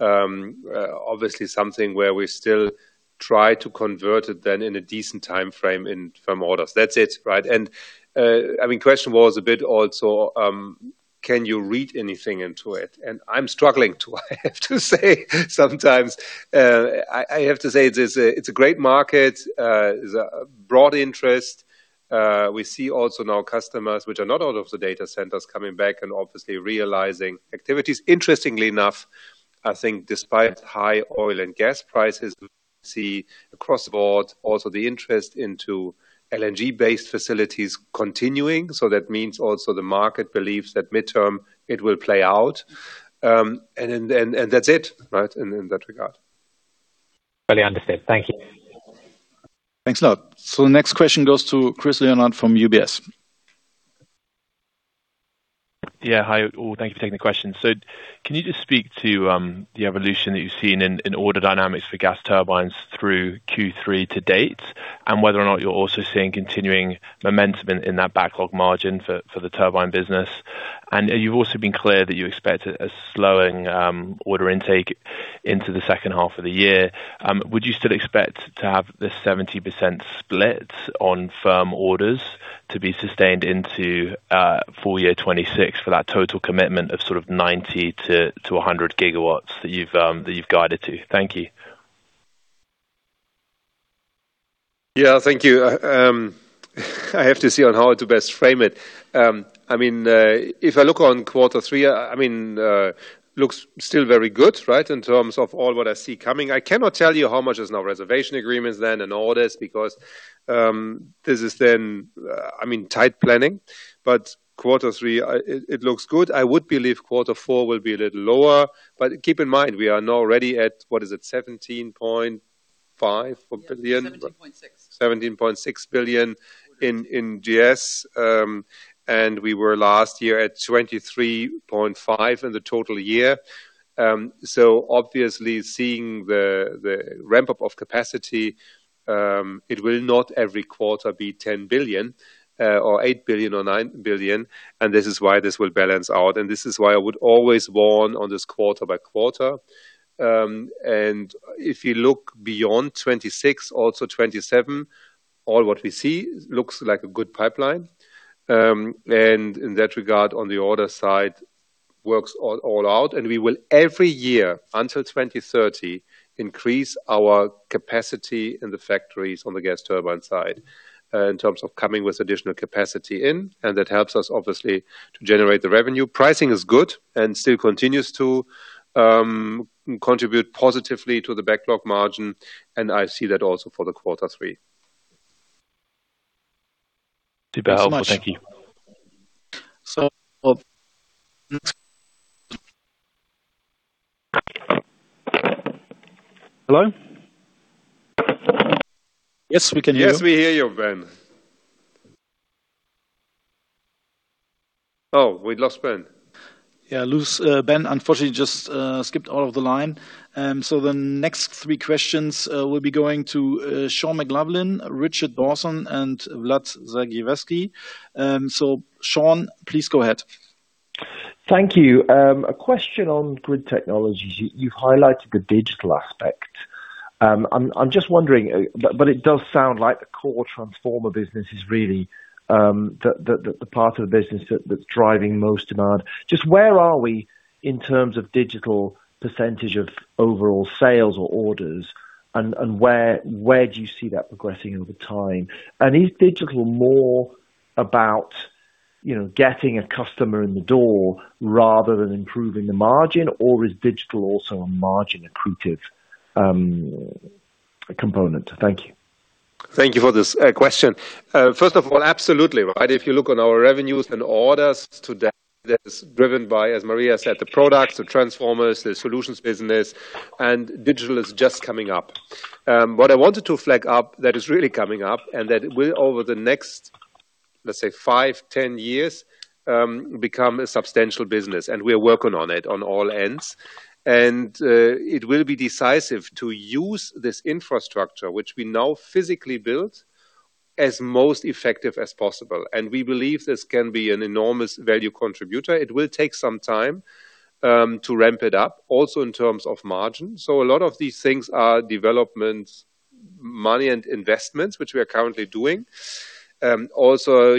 obviously something where we still try to convert it then in a decent timeframe in firm orders. That's it, right? I mean, question was a bit, also, can you read anything into it? I'm struggling to, I have to say, sometimes. I have to say this, it's a great market. There's a broad interest. We see also now customers, which are not out of the data centers, coming back and obviously realizing activities. Interestingly enough, I think despite high oil and gas prices, we see across the board also the interest into LNG-based facilities continuing. That means also the market believes that midterm, it will play out. That's it, right? In that regard. Fully understood. Thank you. Thanks a lot. The next question goes to Chris Leonard from UBS. Yeah. Hi, all. Thank you for taking the question. Can you just speak to the evolution that you've seen in order dynamics for gas turbines through Q3 to date? Whether or not you're also seeing continuing momentum in that backlog margin for the turbine business. You've also been clear that you expect a slowing order intake into the second half of the year. Would you still expect to have the 70% split on firm orders to be sustained into full year 2026 for that total commitment of sort of 90 GW-100 GW that you've guided to? Thank you. Yeah. Thank you. I have to see on how to best frame it. I mean, if I look on quarter three, I mean, looks still very good, right? In terms of all what I see coming. I cannot tell you how much is now reservation agreements then and orders because this is then, I mean, tight planning. Quarter three, it looks good. I would believe quarter four will be a little lower. Keep in mind, we are now already at what is it? 17.5 billion. 17.6. 17.6 billion in GS. We were last year at 23.5 billion in the total year. Obviously, seeing the ramp up of capacity, it will not every quarter be 10 billion, 8 billion or 9 billion, and this is why this will balance out. This is why I would always warn on this quarter by quarter. If you look beyond '26, also '27, all what we see looks like a good pipeline. In that regard, on the order side, works all out. We will every year, until 2030, increase our capacity in the factories on the gas turbine side, in terms of coming with additional capacity in, and that helps us obviously to generate the revenue. Pricing is good and still continues to contribute positively to the backlog margin, and I see that also for the quarter three. Thank you so much. Hello? Yes, we can hear you. Yes, we hear you, Ben. We lost Ben. Yeah, lose, Ben, unfortunately, just skipped out of the line. The next three questions will be going to Sean McLoughlin, Richard Dawson, and Vlad Sergievskiy. Sean, please go ahead. Thank you. A question on Grid Technologies. You've highlighted the digital aspect. I'm just wondering, but it does sound like the core transformer business is really the part of the business that's driving most demand. Just where are we in terms of digital percentage of overall sales or orders? Where do you see that progressing over time? Is digital more about, you know, getting a customer in the door rather than improving the margin, or is digital also a margin accretive component? Thank you. Thank you for this question. First of all, absolutely, right? If you look on our revenues and orders today, that is driven by, as Maria said, the products, the transformers, the solutions business, and digital is just coming up. What I wanted to flag up that is really coming up, and that will, over the next, let's say five, 10 years, become a substantial business. We are working on it on all ends. It will be decisive to use this infrastructure, which we now physically built, as most effective as possible. We believe this can be an enormous value contributor. It will take some time to ramp it up, also in terms of margin. A lot of these things are development money and investments, which we are currently doing. Also,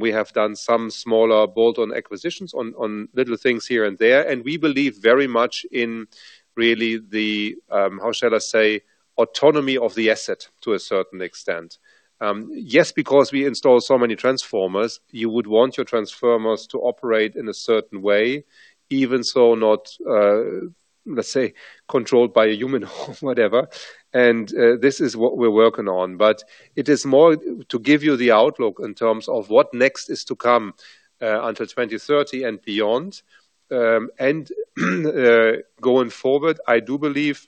we have done some smaller bolt-on acquisitions on little things here and there. We believe very much in really the, how shall I say, autonomy of the asset to a certain extent. Yes, because we install so many transformers, you would want your transformers to operate in a certain way, even so, not, let's say, controlled by a human or whatever. This is what we're working on. It is more to give you the outlook in terms of what next is to come until 2030 and beyond. Going forward, I do believe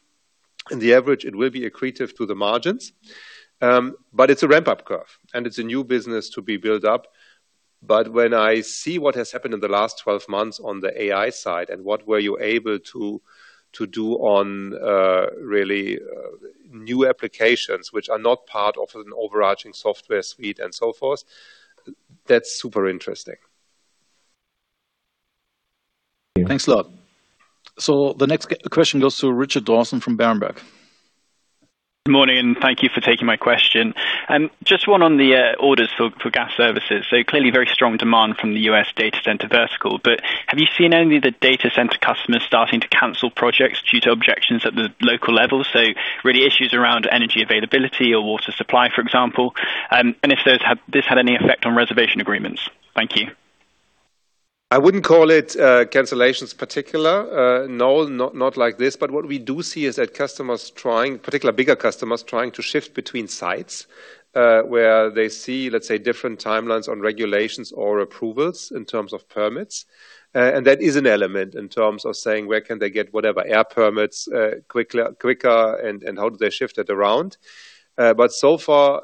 in the average, it will be accretive to the margins. It's a ramp-up curve, and it's a new business to be built up. When I see what has happened in the last 12 months on the AI side and what were you able to do on, really, new applications which are not part of an overarching software suite and so forth, that's super interesting. Thanks a lot. The next question goes to Richard Dawson from Berenberg. Good morning, and thank you for taking my question. Just one on the orders for Gas Services. Clearly very strong demand from the U.S. data center vertical. Have you seen any of the data center customers starting to cancel projects due to objections at the local level? Really, issues around energy availability or water supply, for example, and if this had any effect on reservation agreements. Thank you. I wouldn't call it cancellations particular. No, not like this. What we do see is that customers trying, particularly bigger customers, trying to shift between sites, where they see, let's say, different timelines on regulations or approvals in terms of permits. That is an element in terms of saying, where can they get whatever air permits quicker, and how do they shift it around. So far,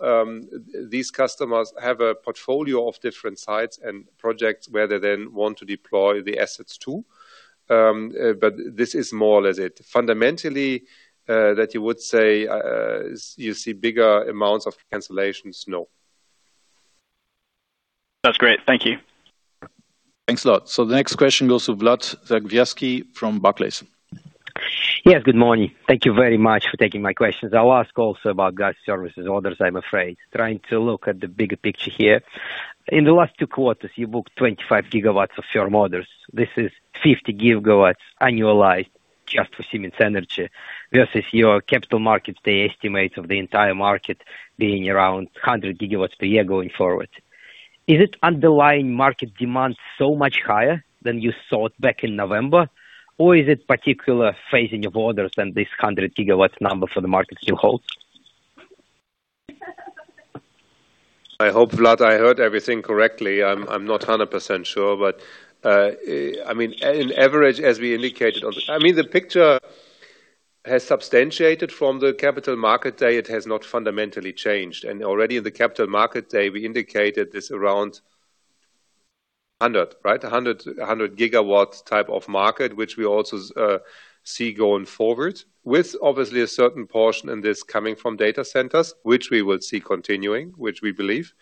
these customers have a portfolio of different sites and projects where they then want to deploy the assets to. But this is more or less it. Fundamentally, that you would say you see bigger amounts of cancellations? No. That's great. Thank you. Thanks a lot. The next question goes to Vlad Sergievskiy from Barclays. Yes, good morning. Thank you very much for taking my questions. I will ask also about Gas Services orders, I am afraid. Trying to look at the bigger picture here. In the last two quarters, you booked 25 GW of firm orders. This is 50 GW annualized just for Siemens Energy versus your Capital Markets Day estimates of the entire market being around 100 GW per year going forward. Is it underlying market demand so much higher than you thought back in November? Is it particular phasing of orders, than this 100 GW number for the market you hold? I hope, Vlad, I heard everything correctly. I'm not 100% sure, but I mean, on average, as we indicated, I mean, the picture has substantiated from the Capital Markets Day. It has not fundamentally changed. Already in the Capital Markets Day, we indicated this around 100 GW, right? A 100 GW type of market, which we also see going forward, with obviously a certain portion in this coming from data centers, which we will see continuing, which we believe.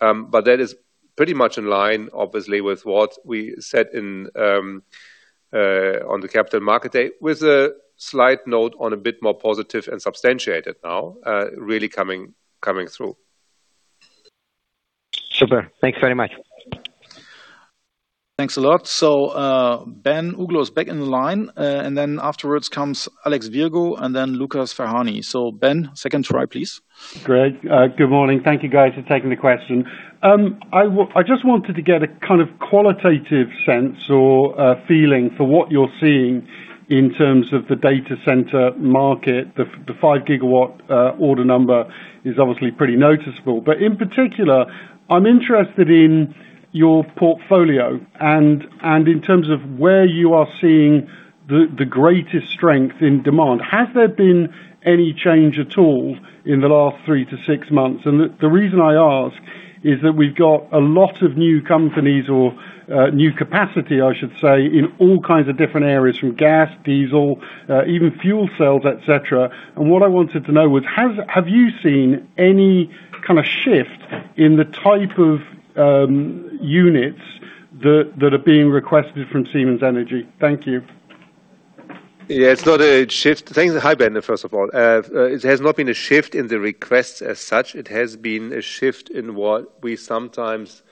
That is pretty much in line, obviously, with what we said on the Capital Markets Day, with a slight note on a bit more positive and substantiated now, really coming through. Super. Thanks very much. Thanks a lot. Ben Uglow is back in the line, afterwards comes Alex Virgo and then Lucas Ferhani. Ben, second try, please. Great. Good morning. Thank you, guys, for taking the question. I just wanted to get a kind of qualitative sense or feeling for what you're seeing in terms of the data center market. The 5 GW order number is obviously pretty noticeable. In particular, I'm interested in your portfolio and in terms of where you are seeing the greatest strength in demand. Has there been any change at all in the last 3-6 months? The reason I ask is that we've got a lot of new companies or new capacity, I should say, in all kinds of different areas from gas, diesel, even fuel cells, et cetera. What I wanted to know was, have you seen any kind of shift in the type of units that are being requested from Siemens Energy? Thank you. Yeah. It's not a shift. Hi, Ben, first of all. It has not been a shift in the requests as such. It has been a shift in what we sometimes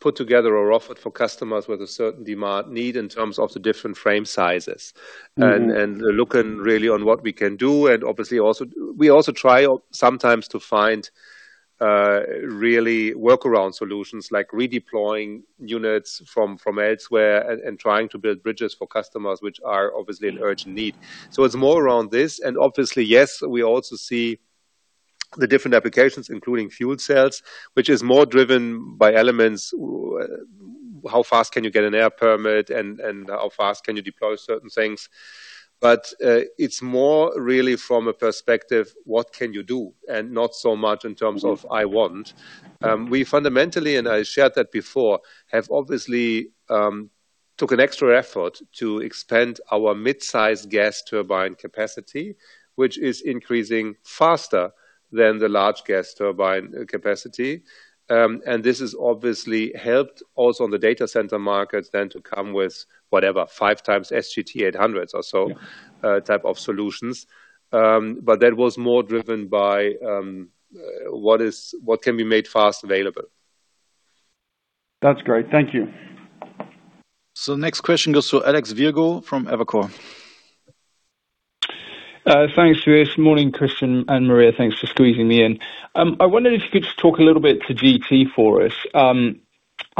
put together or offered for customers with a certain demand need in terms of the different frame sizes. Looking really on what we can do. Obviously, also we also try sometimes to find really workaround solutions, like redeploying units from elsewhere and trying to build bridges for customers which are obviously in urgent need. It's more around this. Obviously, yes, we also see the different applications, including fuel cells, which is more driven by elements, how fast can you get an air permit, and how fast can you deploy certain things. It's more really from a perspective, what can you do? Not so much in terms of I want. We fundamentally, and I shared that before, have obviously took an extra effort to expand our mid-size gas turbine capacity, which is increasing faster than the large gas turbine capacity. This has obviously helped also on the data center markets, then to come with whatever, 5 times SGT-800s. Yeah type of solutions. That was more driven by what can be made fast available. That's great. Thank you. Next question goes to Alex Virgo from Evercore. Thanks. Yes, morning, Christian and Maria. Thanks for squeezing me in. I wondered if you could just talk a little bit to GT for us.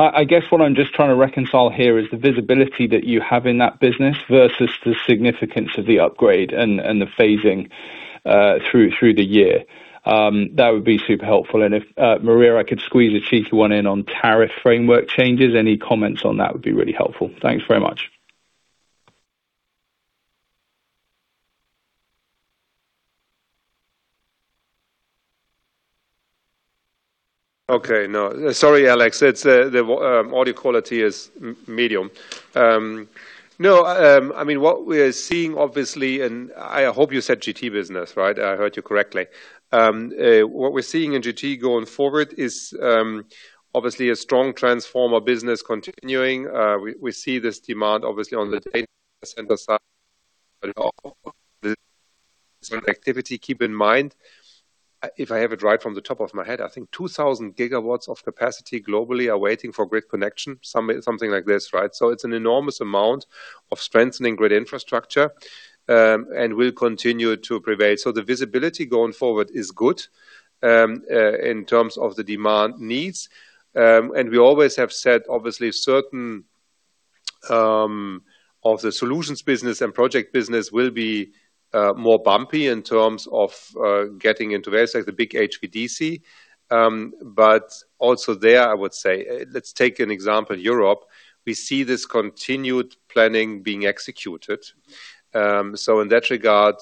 I guess what I'm just trying to reconcile here is the visibility that you have in that business versus the significance of the upgrade and the phasing through the year. That would be super helpful. If, Maria, I could squeeze a cheeky one in on tariff framework changes, any comments on that would be really helpful. Thanks very much. Okay. Sorry, Alex. It's the audio quality is medium. I mean, what we're seeing, obviously, and I hope you said GT business, right? I heard you correctly. What we're seeing in GT going forward is obviously a strong transformer business continuing. We see this demand obviously on the data center side. Some activity. Keep in mind, if I have it right from the top of my head, I think 2,000 GW of capacity globally are waiting for grid connection, something like this, right? It's an enormous amount of strengthening grid infrastructure and will continue to prevail. The visibility going forward is good in terms of the demand needs. We always have said, obviously, certain, of the solutions, business and project business will be more bumpy in terms of getting into, let's say, the big HVDC. Also, there, I would say, let's take an example, Europe. We see this continued planning being executed. In that regard,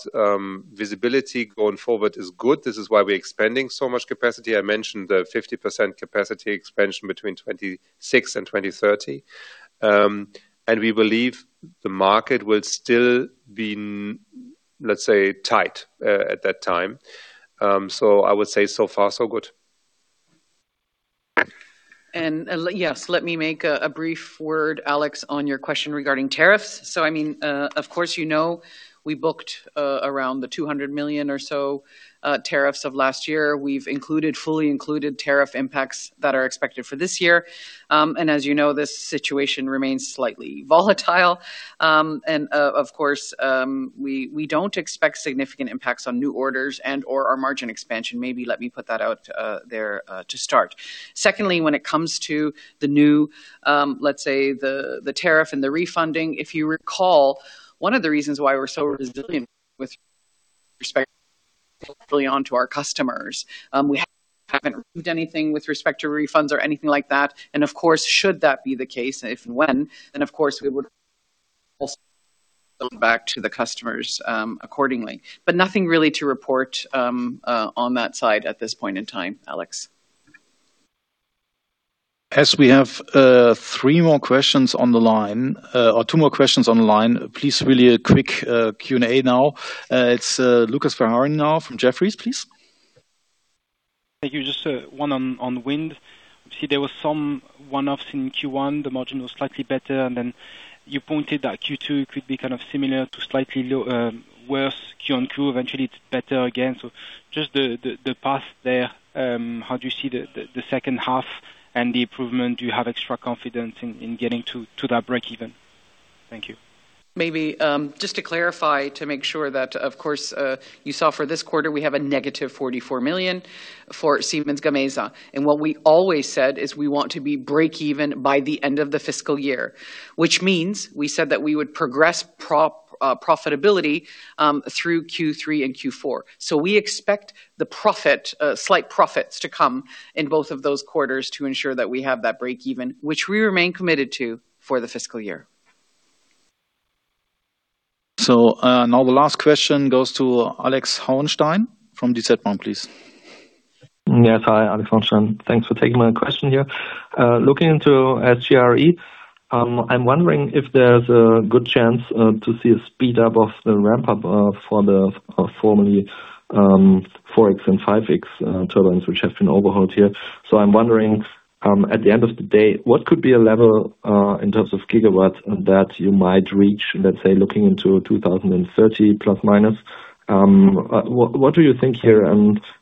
visibility going forward is good. This is why we're expanding so much capacity. I mentioned the 50% capacity expansion between 2026 and 2030. We believe the market will still be, let's say, tight, at that time. I would say so far, so good. Yes, let me make a brief word, Alex, on your question regarding tariffs. I mean, of course, you know, we booked around 200 million or so, tariffs of last year. We've fully included tariff impacts that are expected for this year. As you know, this situation remains slightly volatile. Of course, we don't expect significant impacts on new orders and/or our margin expansion. Maybe let me put that out there to start. Secondly, when it comes to the new, let's say the tariff and the refunding, if you recall, one of the reasons why we're so resilient with respect fully on to our customers, we haven't removed anything with respect to refunds or anything like that. Should that be the case, if and when, then of course, we would back to the customers accordingly. Nothing really to report on that side at this point in time, Alex. As we have three more questions on the line, or two more questions on the line. Please, really a quick Q&A now. It's Lucas Ferhani now from Jefferies, please. Thank you. Just one on wind. See, there was some one-offs in Q1. The margin was slightly better. You pointed that Q2 could be kind of similar to slightly low, worse QoQ. Eventually, it's better again. Just the path there, how do you see the second half and the improvement? Do you have extra confidence in getting to that break-even? Thank you. Maybe, just to clarify, to make sure that, of course, you saw for this quarter, we have a -44 million for Siemens Gamesa. What we always said is we want to be break-even by the end of the fiscal year, which means we said that we would progress profitability through Q3 and Q4. We expect the profit, slight profits to come in both of those quarters to ensure that we have that breakeven, which we remain committed to for the fiscal year. Now the last question goes to Alex Hauenstein from DZ Bank, please. Yes. Hi, Alex Hauenstein. Thanks for taking my question here. Looking into SGRE, I'm wondering if there's a good chance to see a speed up of the ramp up for the formerly 4.X and 5.X turbines, which have been overhauled here. I'm wondering, at the end of the day, what could be a level in terms of gigawatts that you might reach, let's say, looking into 2030 ±? What do you think here?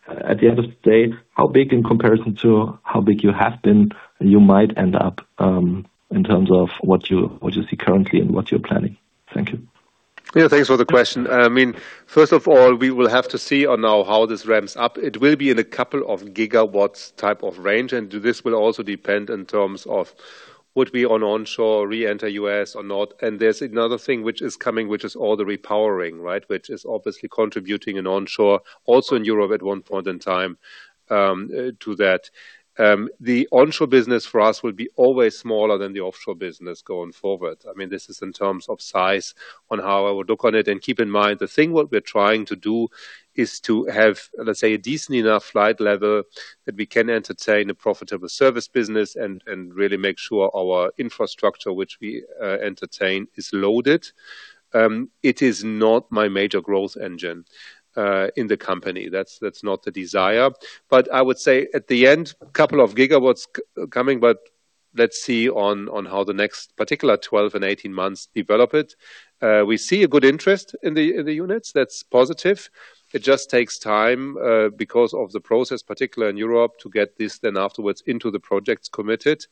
At the end of the day, how big in comparison to how big you have been, you might end up in terms of what you see currently and what you're planning? Thank you. Yeah, thanks for the question. I mean, first of all, we will have to see on now how this ramps up. It will be in a couple of gigawatts type of range. This will also depend in terms of would we on onshore reenter U.S. or not. There's another thing which is coming, which is all the repowering, right? Which is obviously contributing in onshore, also in Europe at one point in time, to that. The onshore business for us will be always smaller than the offshore business going forward. I mean, this is in terms of size, on how I would look on it. Keep in mind, the thing what we're trying to do is to have, let's say, a decent enough flight level that we can entertain a profitable service business and really make sure our infrastructure, which we entertain, is loaded. It is not my major growth engine in the company. That's not the desire. I would say at the end, couple of gigawatts coming. Let's see on how the next particular 12 and 18 months develop it. We see a good interest in the units. That's positive. It just takes time because of the process, particularly in Europe, to get this then afterwards, into the projects committed.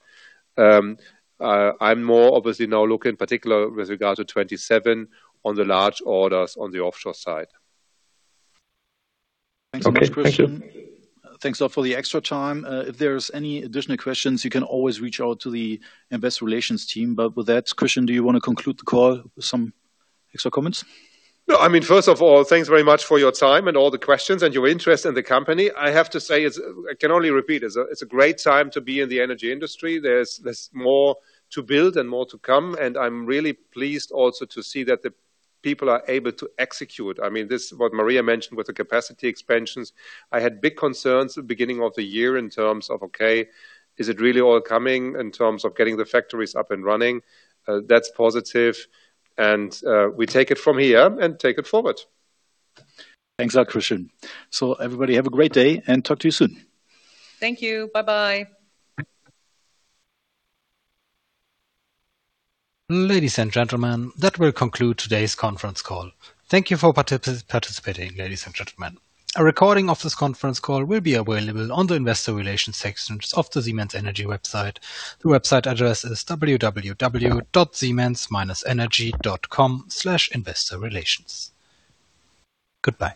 I'm more obviously now looking in particular with regard to 2027 on the large orders on the offshore side. Thanks so much, Christian. Thanks a lot for the extra time. If there's any additional questions, you can always reach out to the investor relations team. With that, Christian, do you wanna conclude the call with some extra comments? I mean, first of all, thanks very much for your time, and all the questions and your interest in the company. I have to say, I can only repeat, it's a great time to be in the energy industry. There's more to build and more to come, and I'm really pleased also to see that the people are able to execute. I mean, this, what Maria mentioned with the capacity expansions, I had big concerns at the beginning of the year in terms of, okay, is it really all coming in terms of getting the factories up and running? That's positive. We take it from here and take it forward. Thanks a lot, Christian. Everybody have a great day, and talk to you soon. Thank you. Bye-bye. Ladies and gentlemen, that will conclude today's conference call. Thank you for participating, ladies and gentlemen. A recording of this conference call will be available on the investor relations section of the Siemens Energy website. The website address is www.siemens-energy.com/investorrelations. Goodbye.